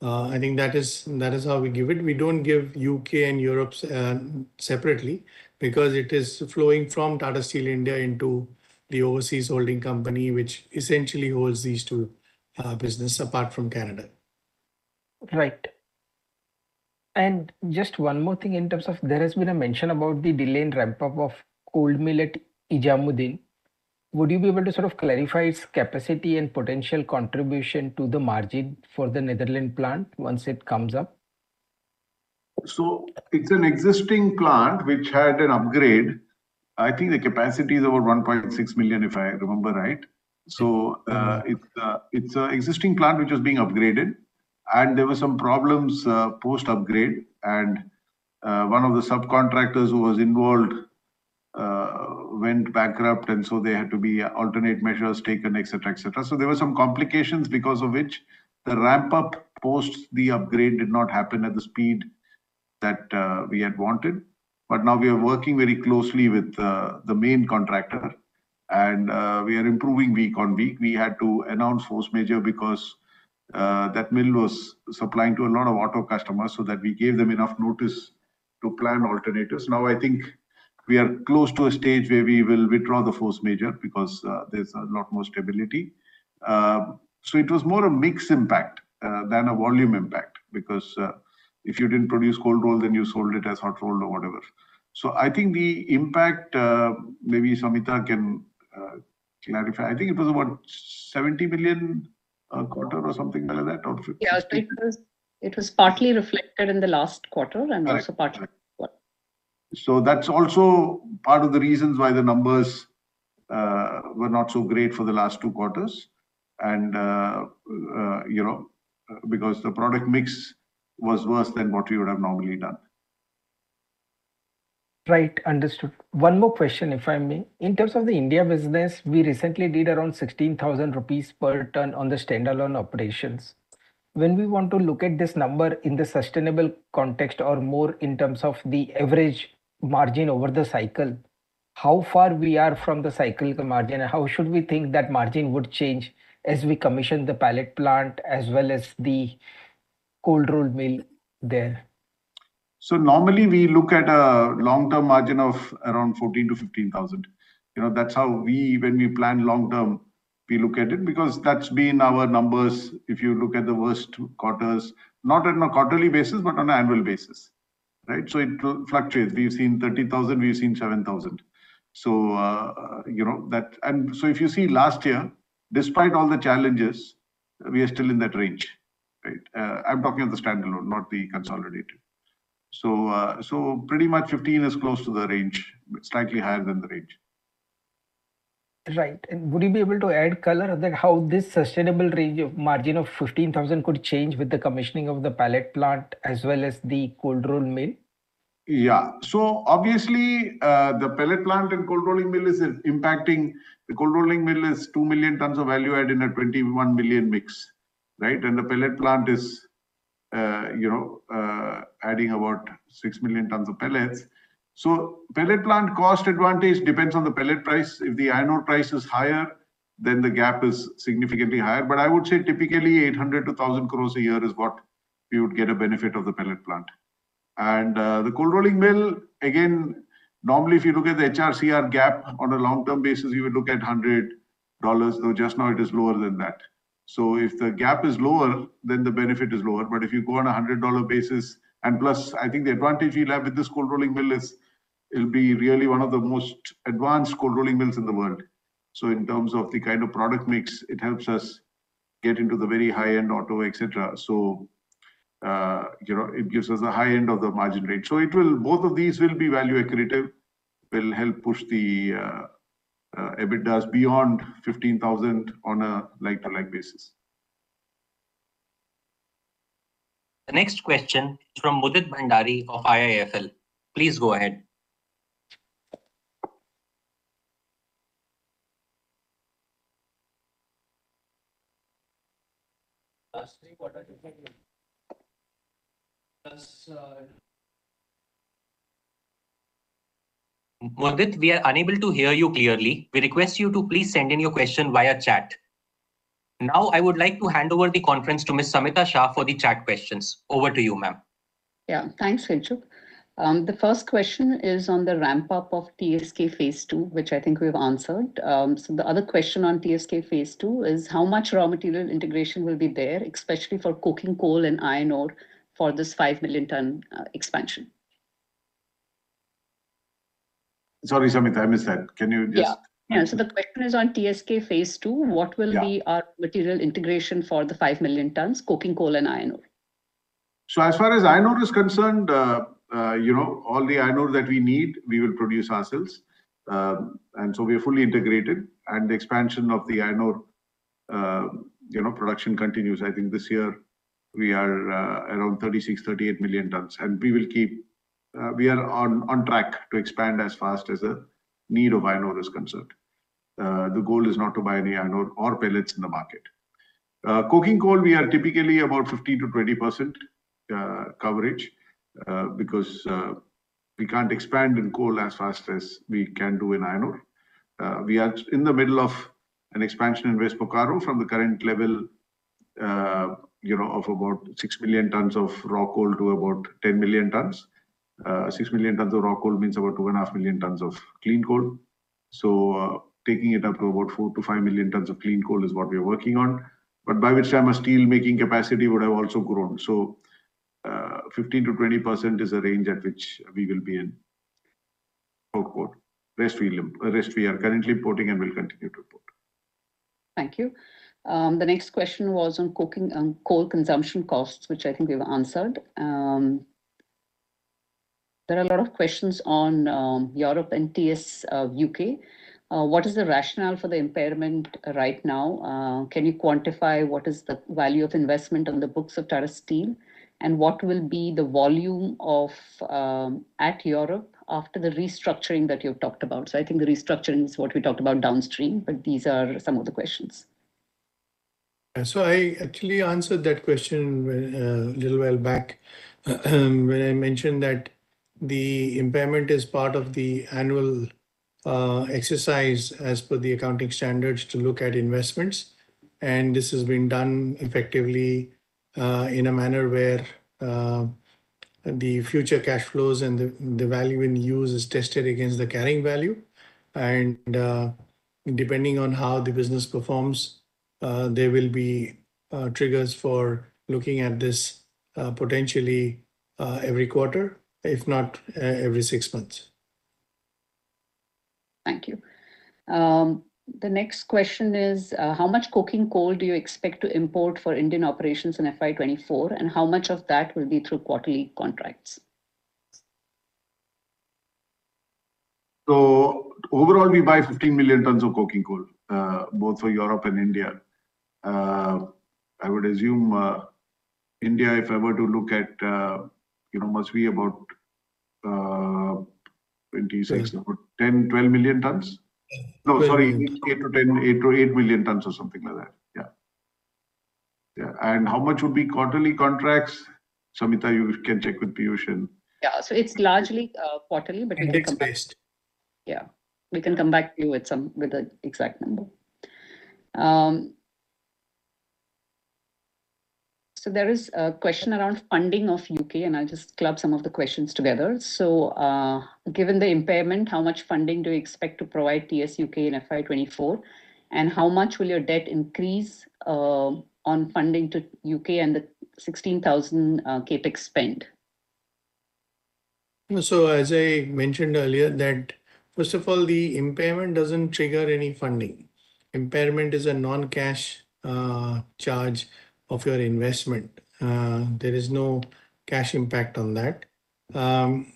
I think that is how we give it. We don't give U.K. and Europe separately because it is flowing from Tata Steel India into the overseas holding company, which essentially holds these two business apart from Canada. Right. Just one more thing in terms of there has been a mention about the delayed ramp-up of cold mill at IJmuiden. Would you be able to sort of clarify its capacity and potential contribution to the margin for the Netherland plant once it comes up? It's an existing plant which had an upgrade. I think the capacity is over 1.6 million, if I remember right. It's an existing plant which was being upgraded, and there were some problems post-upgrade, and one of the subcontractors who was involved went bankrupt, and so there had to be alternate measures taken, et cetera, et cetera. There were some complications, because of which the ramp-up post the upgrade did not happen at the speed that we had wanted. Now we are working very closely with the main contractor and we are improving week on week. We had to announce force majeure because that mill was supplying to a lot of auto customers, so that we gave them enough notice to plan alternatives. I think we are close to a stage where we will withdraw the force majeure because there's a lot more stability. It was more a mix impact than a volume impact because if you didn't produce cold roll then you sold it as hot roll or whatever. I think the impact, maybe Samita can clarify. I think it was about 70 million quarter or something like that. Yeah, it was partly reflected in the last quarter and also. Right. Right. in this quarter. That's also part of the reasons why the numbers were not so great for the last two quarters and, you know, because the product mix was worse than what we would have normally done. Right. Understood. One more question, if I may. In terms of the India business, we recently did around 16,000 rupees per ton on the standalone operations. When we want to look at this number in the sustainable context or more in terms of the average margin over the cycle, how far we are from the cyclical margin, and how should we think that margin would change as we commission the pellet plant as well as the cold rolled mill there? Normally we look at a long-term margin of around 14,000-15,000. You know, that's how we, when we plan long term, we look at it, because that's been our numbers if you look at the worst quarters, not on a quarterly basis, but on an annual basis, right? It will fluctuate. We've seen 30,000, we've seen 7,000. You know, if you see last year, despite all the challenges, we are still in that range. Right. I'm talking of the standalone, not the consolidated. Pretty much 15,000 is close to the range, but slightly higher than the range. Right. Would you be able to add color on that how this sustainable margin of 15,000 could change with the commissioning of the pellet plant as well as the cold rolled mill? Obviously, the pellet plant and cold rolling mill is impacting. The cold rolling mill is two million tons of value add in a 21 million mix, right? The pellet plant is, you know, adding about six million tons of pellets. Pellet plant cost advantage depends on the pellet price. If the iron ore price is higher, then the gap is significantly higher. I would say typically 800-1,000 crores a year is what we would get a benefit of the pellet plant. The cold rolling mill, again, normally if you look at the HRC-CR gap on a long-term basis, you would look at $100, though just now it is lower than that. If the gap is lower, then the benefit is lower. If you go on a $100 basis, plus I think the advantage we'll have with this cold rolling mill is it'll be really one of the most advanced cold rolling mills in the world. In terms of the kind of product mix, it helps us get into the very high-end auto, et cetera. You know, it gives us a high end of the margin rate. Both of these will be value accretive, will help push the EBITDAs beyond 15,000 on a like-to-like basis. The next question is from Mudit Bhandari of IIFL. Please go ahead Mudit, we are unable to hear you clearly. We request you to please send in your question via chat. I would like to hand over the conference to Ms. Samita Shah for the chat questions. Over to you, ma'am. Yeah. Thanks, Kinshuk. The first question is on the ramp up of TSK phase two, which I think we've answered. The other question on TSK phase two is how much raw material integration will be there, especially for coking coal and iron ore for this five million ton expansion? Sorry, Samita, I missed that. Can you just- Yeah. Yeah. The question is on TSK phase two. Yeah. What will be our material integration for the five million tons coking coal and iron ore? As far as iron ore is concerned, you know, all the iron ore that we need, we will produce ourselves. We are fully integrated. The expansion of the iron ore, you know, production continues. I think this year we are around 36-38 million tons, we are on track to expand as fast as the need of iron ore is concerned. The goal is not to buy any iron ore or pellets in the market. Coking coal, we are typically about 50%-20% coverage, because we can't expand in coal as fast as we can do in iron ore. We are in the middle of an expansion in West Bokaro from the current level, you know, of about six million tons of raw coal to about 10 million tons. Six million tons of raw coal means about two and a half million tons of clean coal. Taking it up to about four to five million tons of clean coal is what we're working on. By which time our steelmaking capacity would have also grown. 15%-20% is the range at which we will be in, quote, West we are currently importing and will continue to import. Thank you. The next question was on coking, coal consumption costs, which I think we've answered. There are a lot of questions on, Europe and TS U.K. What is the rationale for the impairment right now? Can you quantify what is the value of investment on the books of Tata Steel? What will be the volume of, at Europe after the restructuring that you've talked about? I think the restructuring is what we talked about downstream, but these are some of the questions. I actually answered that question a little while back, when I mentioned that the impairment is part of the annual exercise as per the accounting standards to look at investments. This is being done effectively in a manner where the future cash flows and the value in use is tested against the carrying value. Depending on how the business performs, there will be triggers for looking at this potentially every quarter, if not every six months. Thank you. The next question is, how much coking coal do you expect to import for Indian operations in FY 2024, and how much of that will be through quarterly contracts? Overall we buy 15 million tons of coking coal, both for Europe and India. I would assume India, if I were to look at, you know, must be about 10-12 million tons. No, sorry. Eight to eight million tons or something like that. Yeah. How much would be quarterly contracts? Samita, you can check with Piyush and- Yeah. It's largely, quarterly, but we can come back- Mix based. Yeah. We can come back to you with the exact number. There is a question around funding of U.K., and I'll just club some of the questions together. Given the impairment, how much funding do you expect to provide TS U.K. in FY 2024? How much will your debt increase on funding to U.K. and the 16,000 CapEx spend? As I mentioned earlier that, first of all, the impairment doesn't trigger any funding. Impairment is a non-cash charge of your investment. There is no cash impact on that.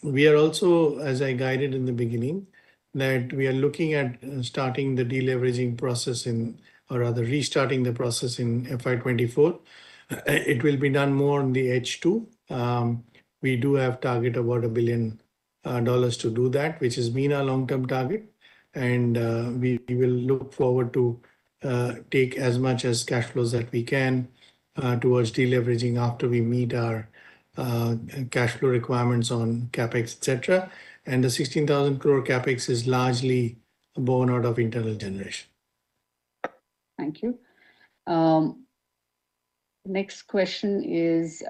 We are also, as I guided in the beginning, that we are looking at starting the deleveraging process or rather restarting the process in FY 2024. It will be done more on the H2. We do have target about $1 billion to do that, which has been our long-term target. We will look forward to take as much as cash flows that we can towards deleveraging after we meet our cash flow requirements on CapEx, et cetera. The 16,000 crore CapEx is largely borne out of internal generation. Thank you. Next question is,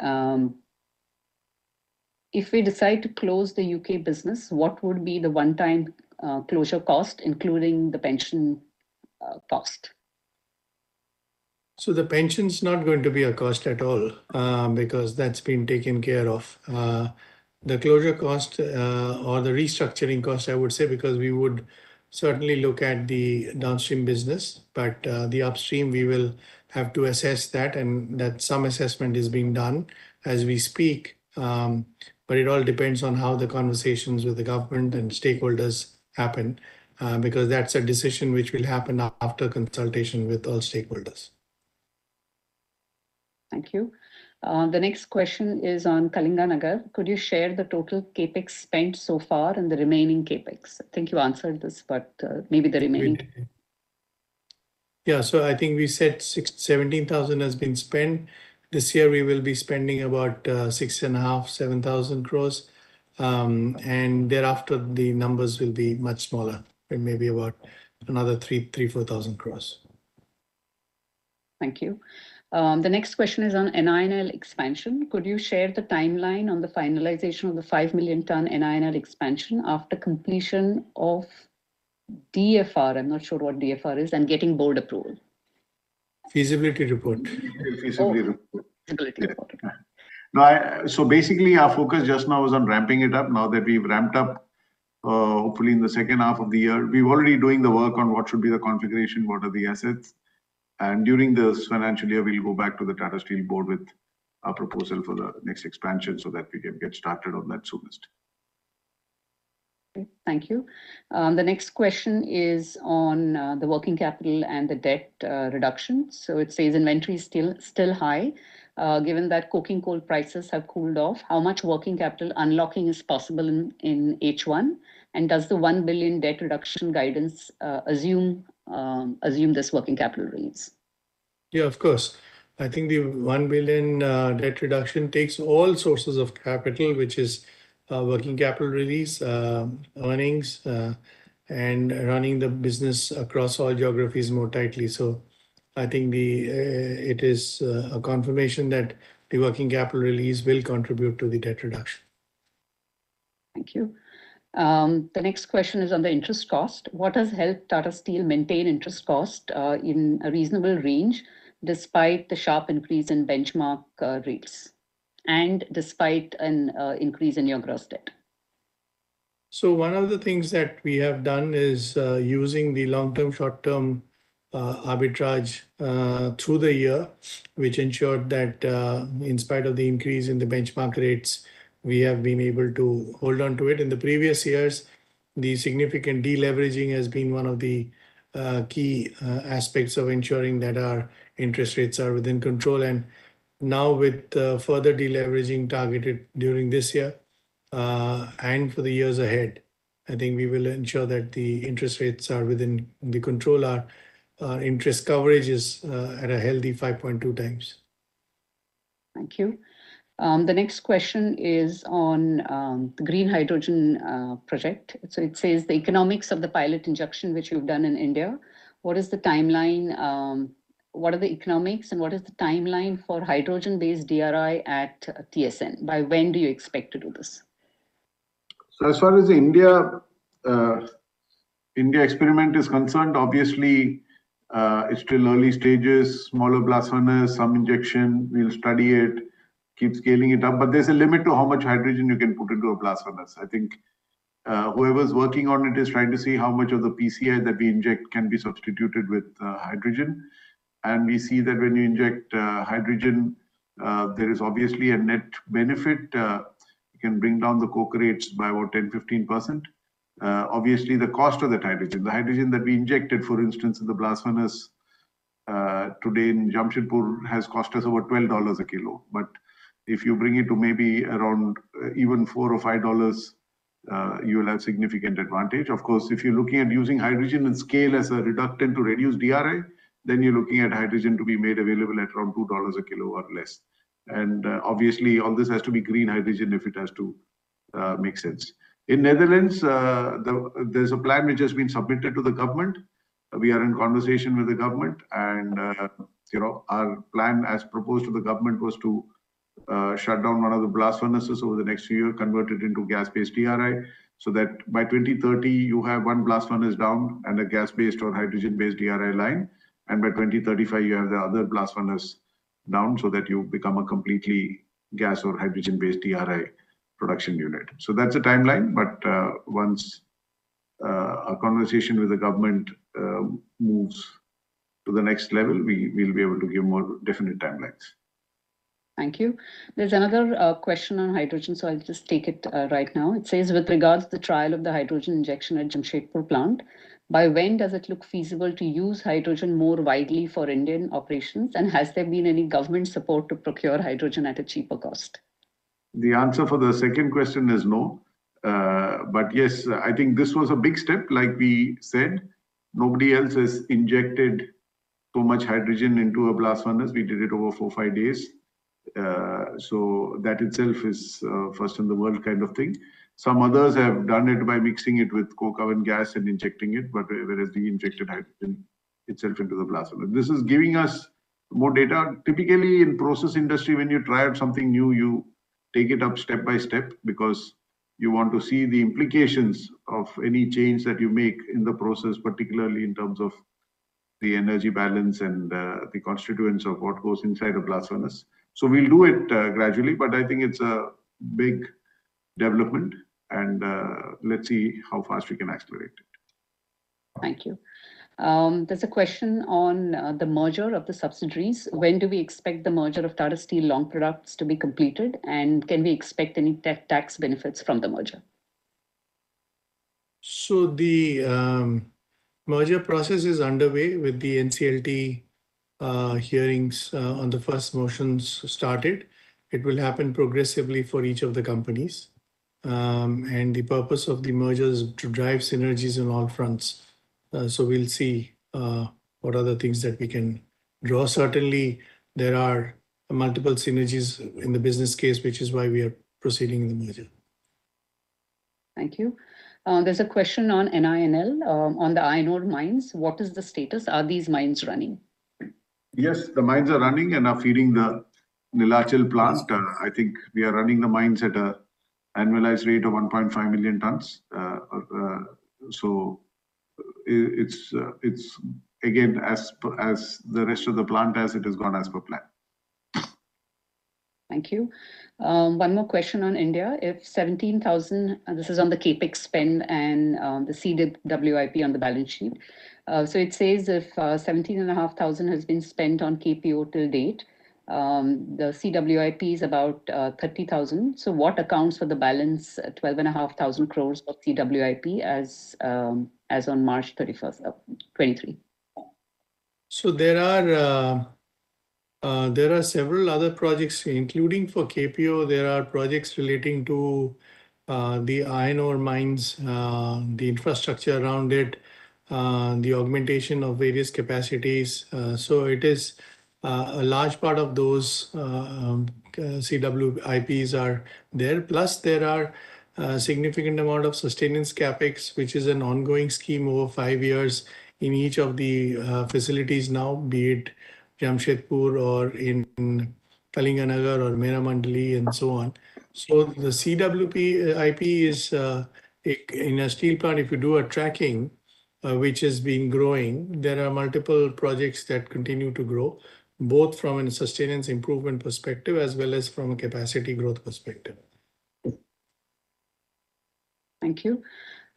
if we decide to close the U.K. business, what would be the one-time closure cost, including the pension cost? The pension's not going to be a cost at all, because that's been taken care of. The closure cost, or the restructuring cost, I would say, because we would certainly look at the downstream business. The upstream, we will have to assess that and that some assessment is being done as we speak. It all depends on how the conversations with the government and stakeholders happen, because that's a decision which will happen after consultation with all stakeholders. Thank you. The next question is on Kalinganagar. Could you share the total CapEx spent so far and the remaining CapEx? I think you answered this, but, maybe the remaining. Yeah. I think we said 17,000 has been spent. This year we will be spending about 6,500-7,000 crores. Thereafter the numbers will be much smaller, it may be about another 3,000-4,000 crores. Thank you. The next question is on NINL expansion. Could you share the timeline on the finalization of the 5 million ton NINL expansion after completion of DFR, I'm not sure what DFR is, and getting board approval? Feasibility report. Feasibility report. Oh, feasibility report. Yeah. Basically our focus just now is on ramping it up. Now that we've ramped up, hopefully in the second half of the year, we're already doing the work on what should be the configuration, what are the assets. During this financial year, we'll go back to the Tata Steel board with a proposal for the next expansion so that we can get started on that soonest. Okay, thank you. The next question is on the working capital and the debt reduction. It says inventory is still high. Given that coking coal prices have cooled off, how much working capital unlocking is possible in H1? Does the $1 billion debt reduction guidance assume this working capital release? Yeah, of course. I think the 1 billion debt reduction takes all sources of capital, which is working capital release, earnings, and running the business across all geographies more tightly. I think the it is a confirmation that the working capital release will contribute to the debt reduction. Thank you. The next question is on the interest cost. What has helped Tata Steel maintain interest cost in a reasonable range despite the sharp increase in benchmark rates and despite an increase in your gross debt? One of the things that we have done is using the long-term, short-term arbitrage through the year, which ensured that in spite of the increase in the benchmark rates, we have been able to hold on to it. In the previous years, the significant deleveraging has been one of the key aspects of ensuring that our interest rates are within control. Now with further deleveraging targeted during this year, and for the years ahead, I think we will ensure that we control our interest coverage is at a healthy 5.2 times. Thank you. The next question is on the green hydrogen project. It says the economics of the pilot injection, which you've done in India, what is the timeline, what are the economics and what is the timeline for hydrogen-based DRI at TSN? By when do you expect to do this? As far as the India experiment is concerned, obviously, it's still early stages, smaller blast furnace, some injection. We'll study it, keep scaling it up. There's a limit to how much hydrogen you can put into a blast furnace. I think, whoever's working on it is trying to see how much of the PCI that we inject can be substituted with, hydrogen. We see that when you inject, hydrogen, there is obviously a net benefit. You can bring down the coke rates by about 10-15%. Obviously the cost of that hydrogen. The hydrogen that we injected, for instance, in the blast furnace, today in Jamshedpur has cost us over $12 a kilo. If you bring it to maybe around even $4 or $5, you will have significant advantage. Of course, if you're looking at using hydrogen and scale as a reductant to reduce DRI, then you're looking at hydrogen to be made available at around $2 a kilo or less. Obviously all this has to be green hydrogen if it has to make sense. In Netherlands, there's a plan which has been submitted to the government. We are in conversation with the government, you know, our plan as proposed to the government was to shut down one of the blast furnaces over the next few year, convert it into gas-based DRI, so that by 2030 you have one blast furnace down and a gas-based or hydrogen-based DRI line. By 2035, you have the other blast furnace down so that you become a completely gas or hydrogen-based DRI production unit. That's the timeline, but once our conversation with the government moves to the next level, we'll be able to give more definite timelines. Thank you. There's another question on hydrogen, so I'll just take it right now. It says, with regards to the trial of the hydrogen injection at Jamshedpur plant, by when does it look feasible to use hydrogen more widely for Indian operations? Has there been any government support to procure hydrogen at a cheaper cost? The answer for the second question is no. Yes, I think this was a big step. Like we said, nobody else has injected so much hydrogen into a blast furnace. We did it over four, five days. That itself is first in the world kind of thing. Some others have done it by mixing it with coke oven gas and injecting it, whereas the injected hydrogen itself into the blast furnace. This is giving us more data. Typically, in process industry, when you try out something new, you take it up step by step because you want to see the implications of any change that you make in the process, particularly in terms of the energy balance and the constituents of what goes inside a blast furnace. We'll do it, gradually, but I think it's a big development and, let's see how fast we can accelerate it. Thank you. There's a question on the merger of the subsidiaries. When do we expect the merger of Tata Steel Long Products to be completed, and can we expect any tax benefits from the merger? The merger process is underway with the NCLT hearings on the first motions started. It will happen progressively for each of the companies. The purpose of the merger is to drive synergies on all fronts. We'll see what other things that we can draw. Certainly, there are multiple synergies in the business case, which is why we are proceeding in the merger. Thank you. There's a question on NINL, on the iron ore mines. What is the status? Are these mines running? Yes, the mines are running and are feeding the Neelachal plant. I think we are running the mines at a annualized rate of 1.5 million tons. It's again, as per as the rest of the plant as it has gone as per plan. Thank you. One more question on India. If 17,000, and this is on the CapEx spend and the seeded CWIP on the balance sheet. It says if 17,500 has been spent on KPO2 to-date, the CWIP is about 30,000. What accounts for the balance at 12,500 crore of CWIP as on March 31, 2023? There are several other projects including for KPO. There are projects relating to the iron ore mines, the infrastructure around it, the augmentation of various capacities. It is a large part of those CWIPs are there. Plus, there are a significant amount of sustenance CapEx, which is an ongoing scheme over five years in each of the facilities now, be it Jamshedpur or in Kalinganagar or Meramandali and so on. The CWIP IP is in a steel plant, if you do a tracking, which has been growing, there are multiple projects that continue to grow, both from a sustenance improvement perspective as well as from a capacity growth perspective. Thank you.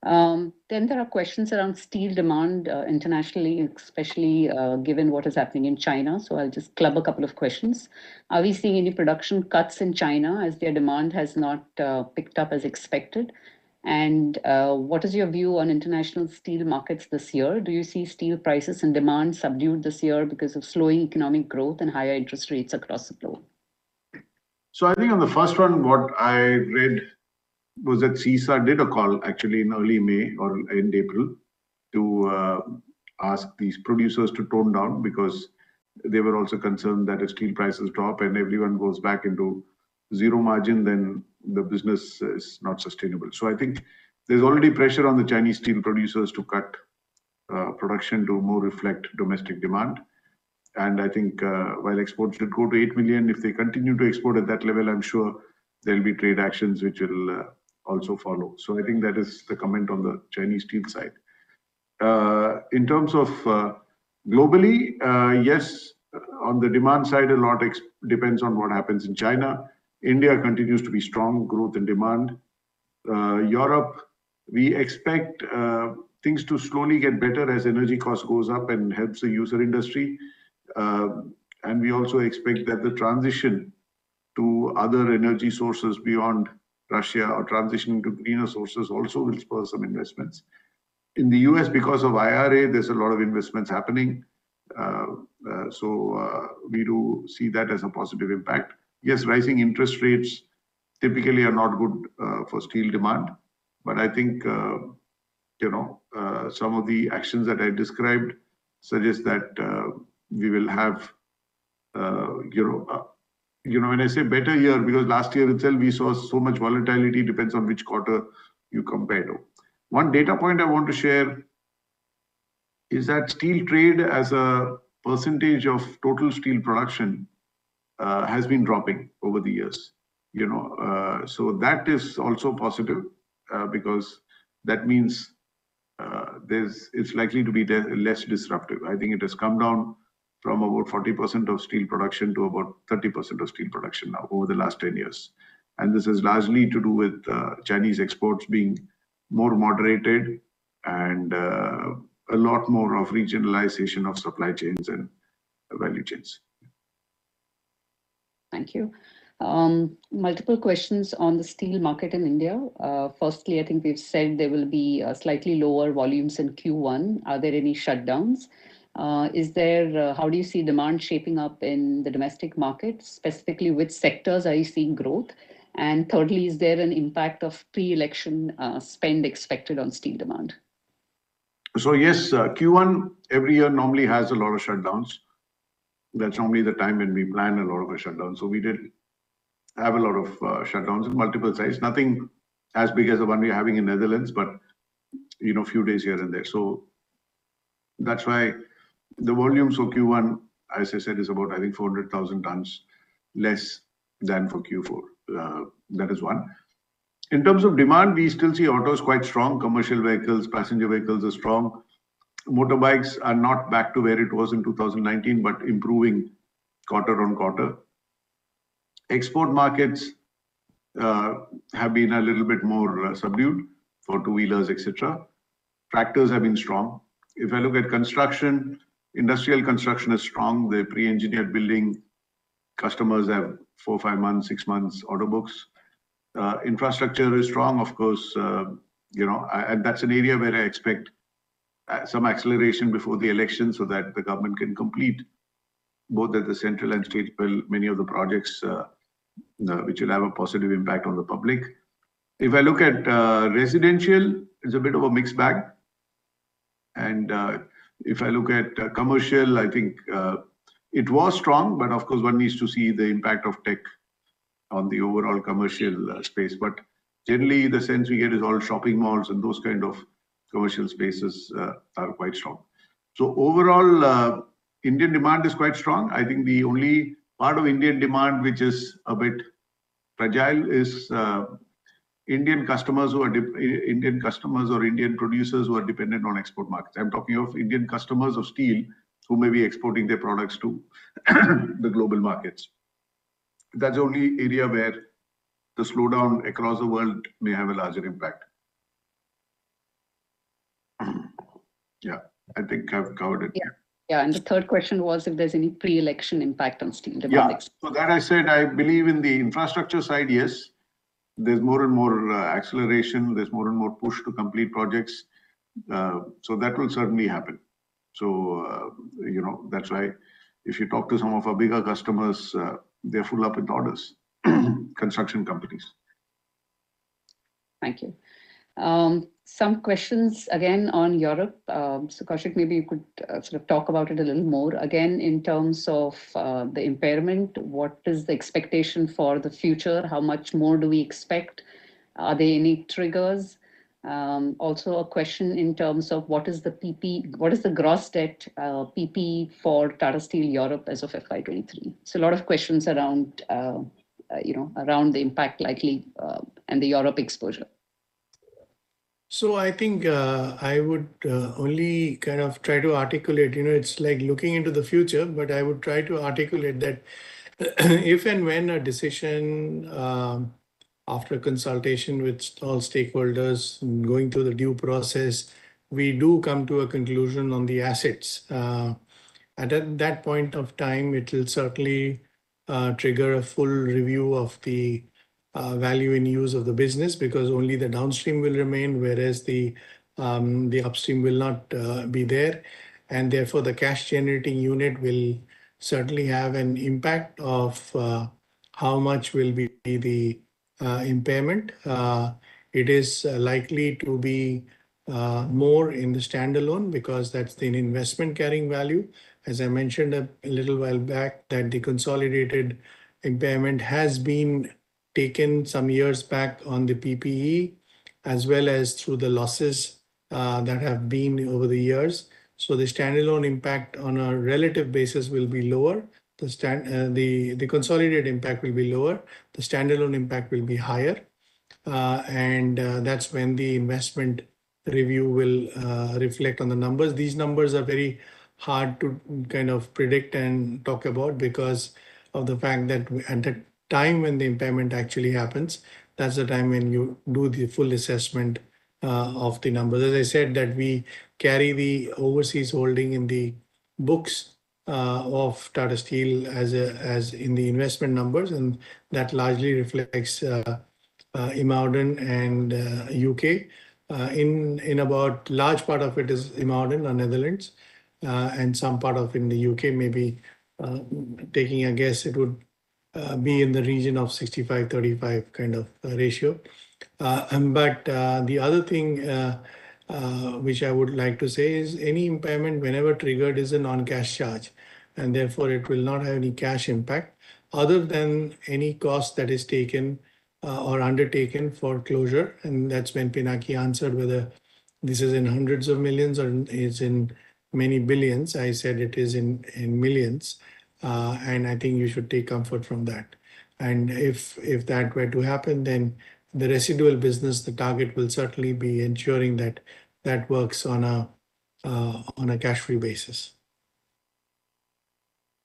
There are questions around steel demand, internationally, especially, given what is happening in China. I'll just club a couple of questions. Are we seeing any production cuts in China as their demand has not picked up as expected? What is your view on international steel markets this year? Do you see steel prices and demand subdued this year because of slowing economic growth and higher interest rates across the globe? I think on the first one, what I read was that CISA did a call actually in early May or end April to ask these producers to tone down because they were also concerned that if steel prices drop and everyone goes back into zero margin, then the business is not sustainable. I think there's already pressure on the Chinese steel producers to cut production to more reflect domestic demand. I think, while exports did go to eight million, if they continue to export at that level, I'm sure there'll be trade actions which will also follow. I think that is the comment on the Chinese steel side. In terms of globally, yes, on the demand side, a lot depends on what happens in China. India continues to be strong growth and demand. Europe, we expect things to slowly get better as energy cost goes up and helps the user industry. We also expect that the transition to other energy sources beyond Russia or transitioning to greener sources also will spur some investments. In the U.S., because of IRA, there's a lot of investments happening. We do see that as a positive impact. Yes, rising interest rates typically are not good for steel demand, but I think, you know, some of the actions that I described suggest that we will have, you know. You know, when I say better year because last year itself we saw so much volatility, depends on which quarter you compare to. One data point I want to share is that steel trade as a percentage of total steel production has been dropping over the years, you know. That is also positive because that means it's likely to be less disruptive. I think it has come down from about 40% of steel production to about 30% of steel production now over the last 10 years. This is largely to do with Chinese exports being more moderated and a lot more of regionalization of supply chains and value chains. Thank you. Multiple questions on the steel market in India. Firstly, I think we've said there will be slightly lower volumes in Q1. Are there any shutdowns? How do you see demand shaping up in the domestic market? Specifically, which sectors are you seeing growth? And thirdly, is there an impact of pre-election spend expected on steel demand? Yes, Q1 every year normally has a lot of shutdowns. That's normally the time when we plan a lot of our shutdowns. We did have a lot of shutdowns of multiple sites. Nothing as big as the one we're having in Netherlands, but, you know, a few days here and there. That's why the volumes of Q1, as I said, is about, I think, 400,000 tons less than for Q4. That is one. In terms of demand, we still see autos quite strong. Commercial vehicles, passenger vehicles are strong. Motorbikes are not back to where it was in 2019, but improving quarter-on-quarter. Export markets have been a little bit more subdued for two-wheelers, et cetera. Tractors have been strong. If I look at construction, industrial construction is strong. The pre-engineered building customers have four, five months, ssix months order books. Infrastructure is strong, of course, you know. That's an area where I expect some acceleration before the election so that the government can complete both at the central and state level many of the projects, which will have a positive impact on the public. If I look at residential, it's a bit of a mixed bag. If I look at commercial, I think it was strong, but of course one needs to see the impact of tech on the overall commercial space. Generally the sense we get is all shopping malls and those kind of commercial spaces are quite strong. Overall, Indian demand is quite strong. I think the only part of Indian demand which is a bit fragile is, Indian customers who are Indian customers or Indian producers who are dependent on export markets. I'm talking of Indian customers of steel who may be exporting their products to the global markets. That's the only area where the slowdown across the world may have a larger impact. I think I've covered it. Yeah. Yeah, the third question was if there's any pre-election impact on steel demand. Yeah. For that I said I believe in the infrastructure side, yes. There's more and more acceleration. There's more and more push to complete projects. That will certainly happen. You know, that's why if you talk to some of our bigger customers, they're full up with orders construction companies. Thank you. Some questions again on Europe. Koushik, maybe you could sort of talk about it a little more. Again, in terms of the impairment, what is the expectation for the future? How much more do we expect? Are there any triggers? Also a question in terms of what is the gross debt, PPE for Tata Steel Europe as of FY 2023? A lot of questions around, you know, around the impact likely, and the Europe exposure. I think I would only kind of try to articulate, you know, it's like looking into the future, but I would try to articulate that if and when a decision, after consultation with all stakeholders and going through the due process, we do come to a conclusion on the assets. At that point of time, it will certainly trigger a full review of the value and use of the business because only the downstream will remain, whereas the upstream will not be there. Therefore, the cash generating unit will certainly have an impact of how much will be the impairment. It is likely to be more in the stand-alone because that's the investment carrying value. As I mentioned a little while back that the consolidated impairment has been taken some years back on the PPE as well as through the losses that have been over the years. The stand-alone impact on a relative basis will be lower. The consolidated impact will be lower. The stand-alone impact will be higher. That's when the investment review will reflect on the numbers. These numbers are very hard to kind of predict and talk about because of the fact that at the time when the impairment actually happens, that's the time when you do the full assessment of the numbers. As I said that we carry the overseas holding in the books of Tata Steel as a, as in the investment numbers, and that largely reflects IJmuiden and U.K.. In about large part of it is IJmuiden or Netherlands, and some part of in the U.K., maybe, taking a guess it would be in the region of 65-35 kind of ratio. The other thing which I would like to say is any impairment whenever triggered is a non-cash charge, and therefore it will not have any cash impact other than any cost that is taken or undertaken for closure. That's when Pinaki answered whether this is in hundreds of millions or is in many billions. I said it is in millions. I think you should take comfort from that. If that were to happen, then the residual business, the target will certainly be ensuring that that works on a cash free basis.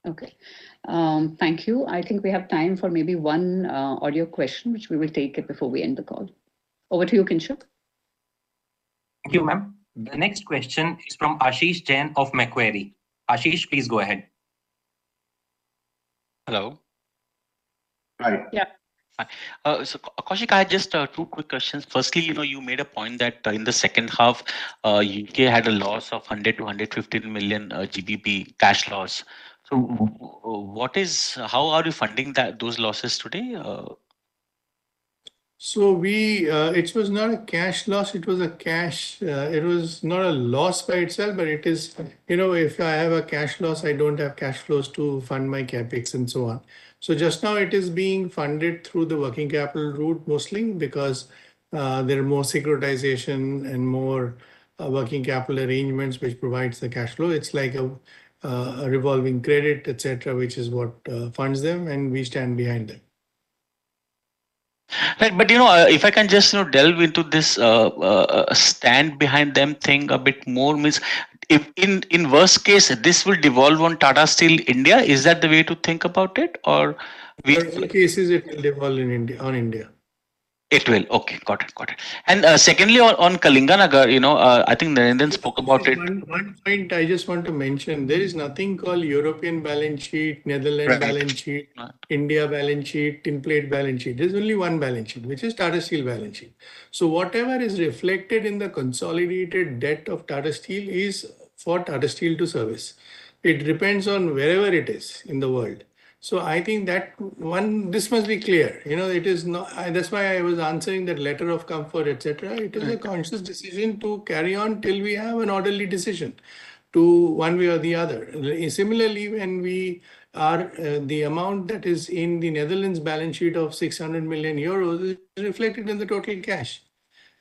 Okay. Thank you. I think we have time for maybe one audio question, which we will take it before we end the call. Over to you, Kinshuk. Thank you, ma'am. The next question is from Ashish Jain of Macquarie. Ashish, please go ahead. Hello. Hi. Yeah. Hi. Koushik, I just have two quick questions. Firstly, you know, you made a point that in the second half, U.K. had a loss of 100 million-115 million cash loss. What is, how are you funding that, those losses today? We, it was not a cash loss, it was a cash. It was not a loss by itself, but it is. You know, if I have a cash loss, I don't have cash flows to fund my CapEx and so on. Just now it is being funded through the working capital route mostly because there are more securitization and more working capital arrangements which provides the cash flow. It's like a revolving credit, et cetera, which is what funds them, and we stand behind them. Right. you know, if I can just, you know, delve into this, stand behind them thing a bit more. Means if in worst case, this will devolve on Tata Steel India, is that the way to think about it? Worst cases it will devolve on India. It will. Okay. Got it. Got it. Secondly, on Kalinganagar, you know, I think Narendran spoke about it. One point I just want to mention. There is nothing called European balance sheet, Netherlands balance sheet. Right India balance sheet, Tinplate balance sheet. There's only one balance sheet, which is Tata Steel balance sheet. So whatever is reflected in the consolidated debt of Tata Steel is for Tata Steel to service. It depends on wherever it is in the world. So I think that one, this must be clear. You know, it is not, that's why I was answering that letter of comfort, et cetera. Right. It is a conscious decision to carry on till we have an orderly decision to one way or the other. Similarly, when we are, the amount that is in the Netherlands balance sheet of 600 million euros is reflected in the total cash.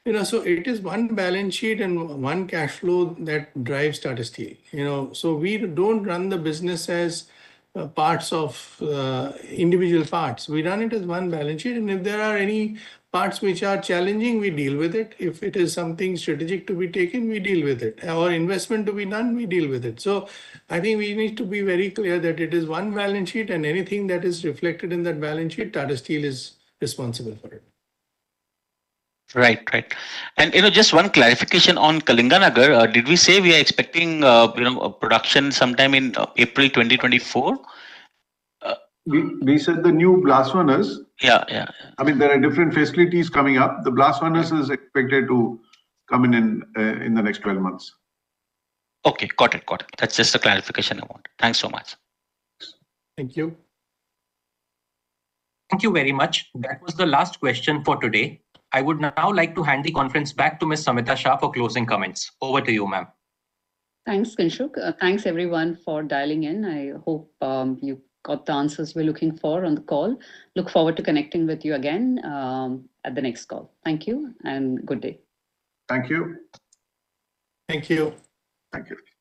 You know, it is one balance sheet and one cash flow that drives Tata Steel. You know, we don't run the business as, parts of, individual parts. We run it as one balance sheet, and if there are any parts which are challenging, we deal with it. If it is something strategic to be taken, we deal with it. Our investment to be done, we deal with it. I think we need to be very clear that it is one balance sheet, and anything that is reflected in that balance sheet, Tata Steel is responsible for it. Right. Right. You know, just one clarification on Kalinganagar. Did we say we are expecting, you know, a production sometime in April 2024? We said the new blast furnace. Yeah, yeah. I mean, there are different facilities coming up. The blast furnace- Right Is expected to come in, in the next 12 months. Okay. Got it. Got it. That's just the clarification I wanted. Thanks so much. Thank you. Thank you very much. That was the last question for today. I would now like to hand the conference back to Ms. Samita Shah for closing comments. Over to you, ma'am. Thanks, Kinshuk. Thanks everyone for dialing in. I hope, you got the answers you were looking for on the call. Look forward to connecting with you again, at the next call. Thank you, and good day. Thank you. Thank you. Thank you.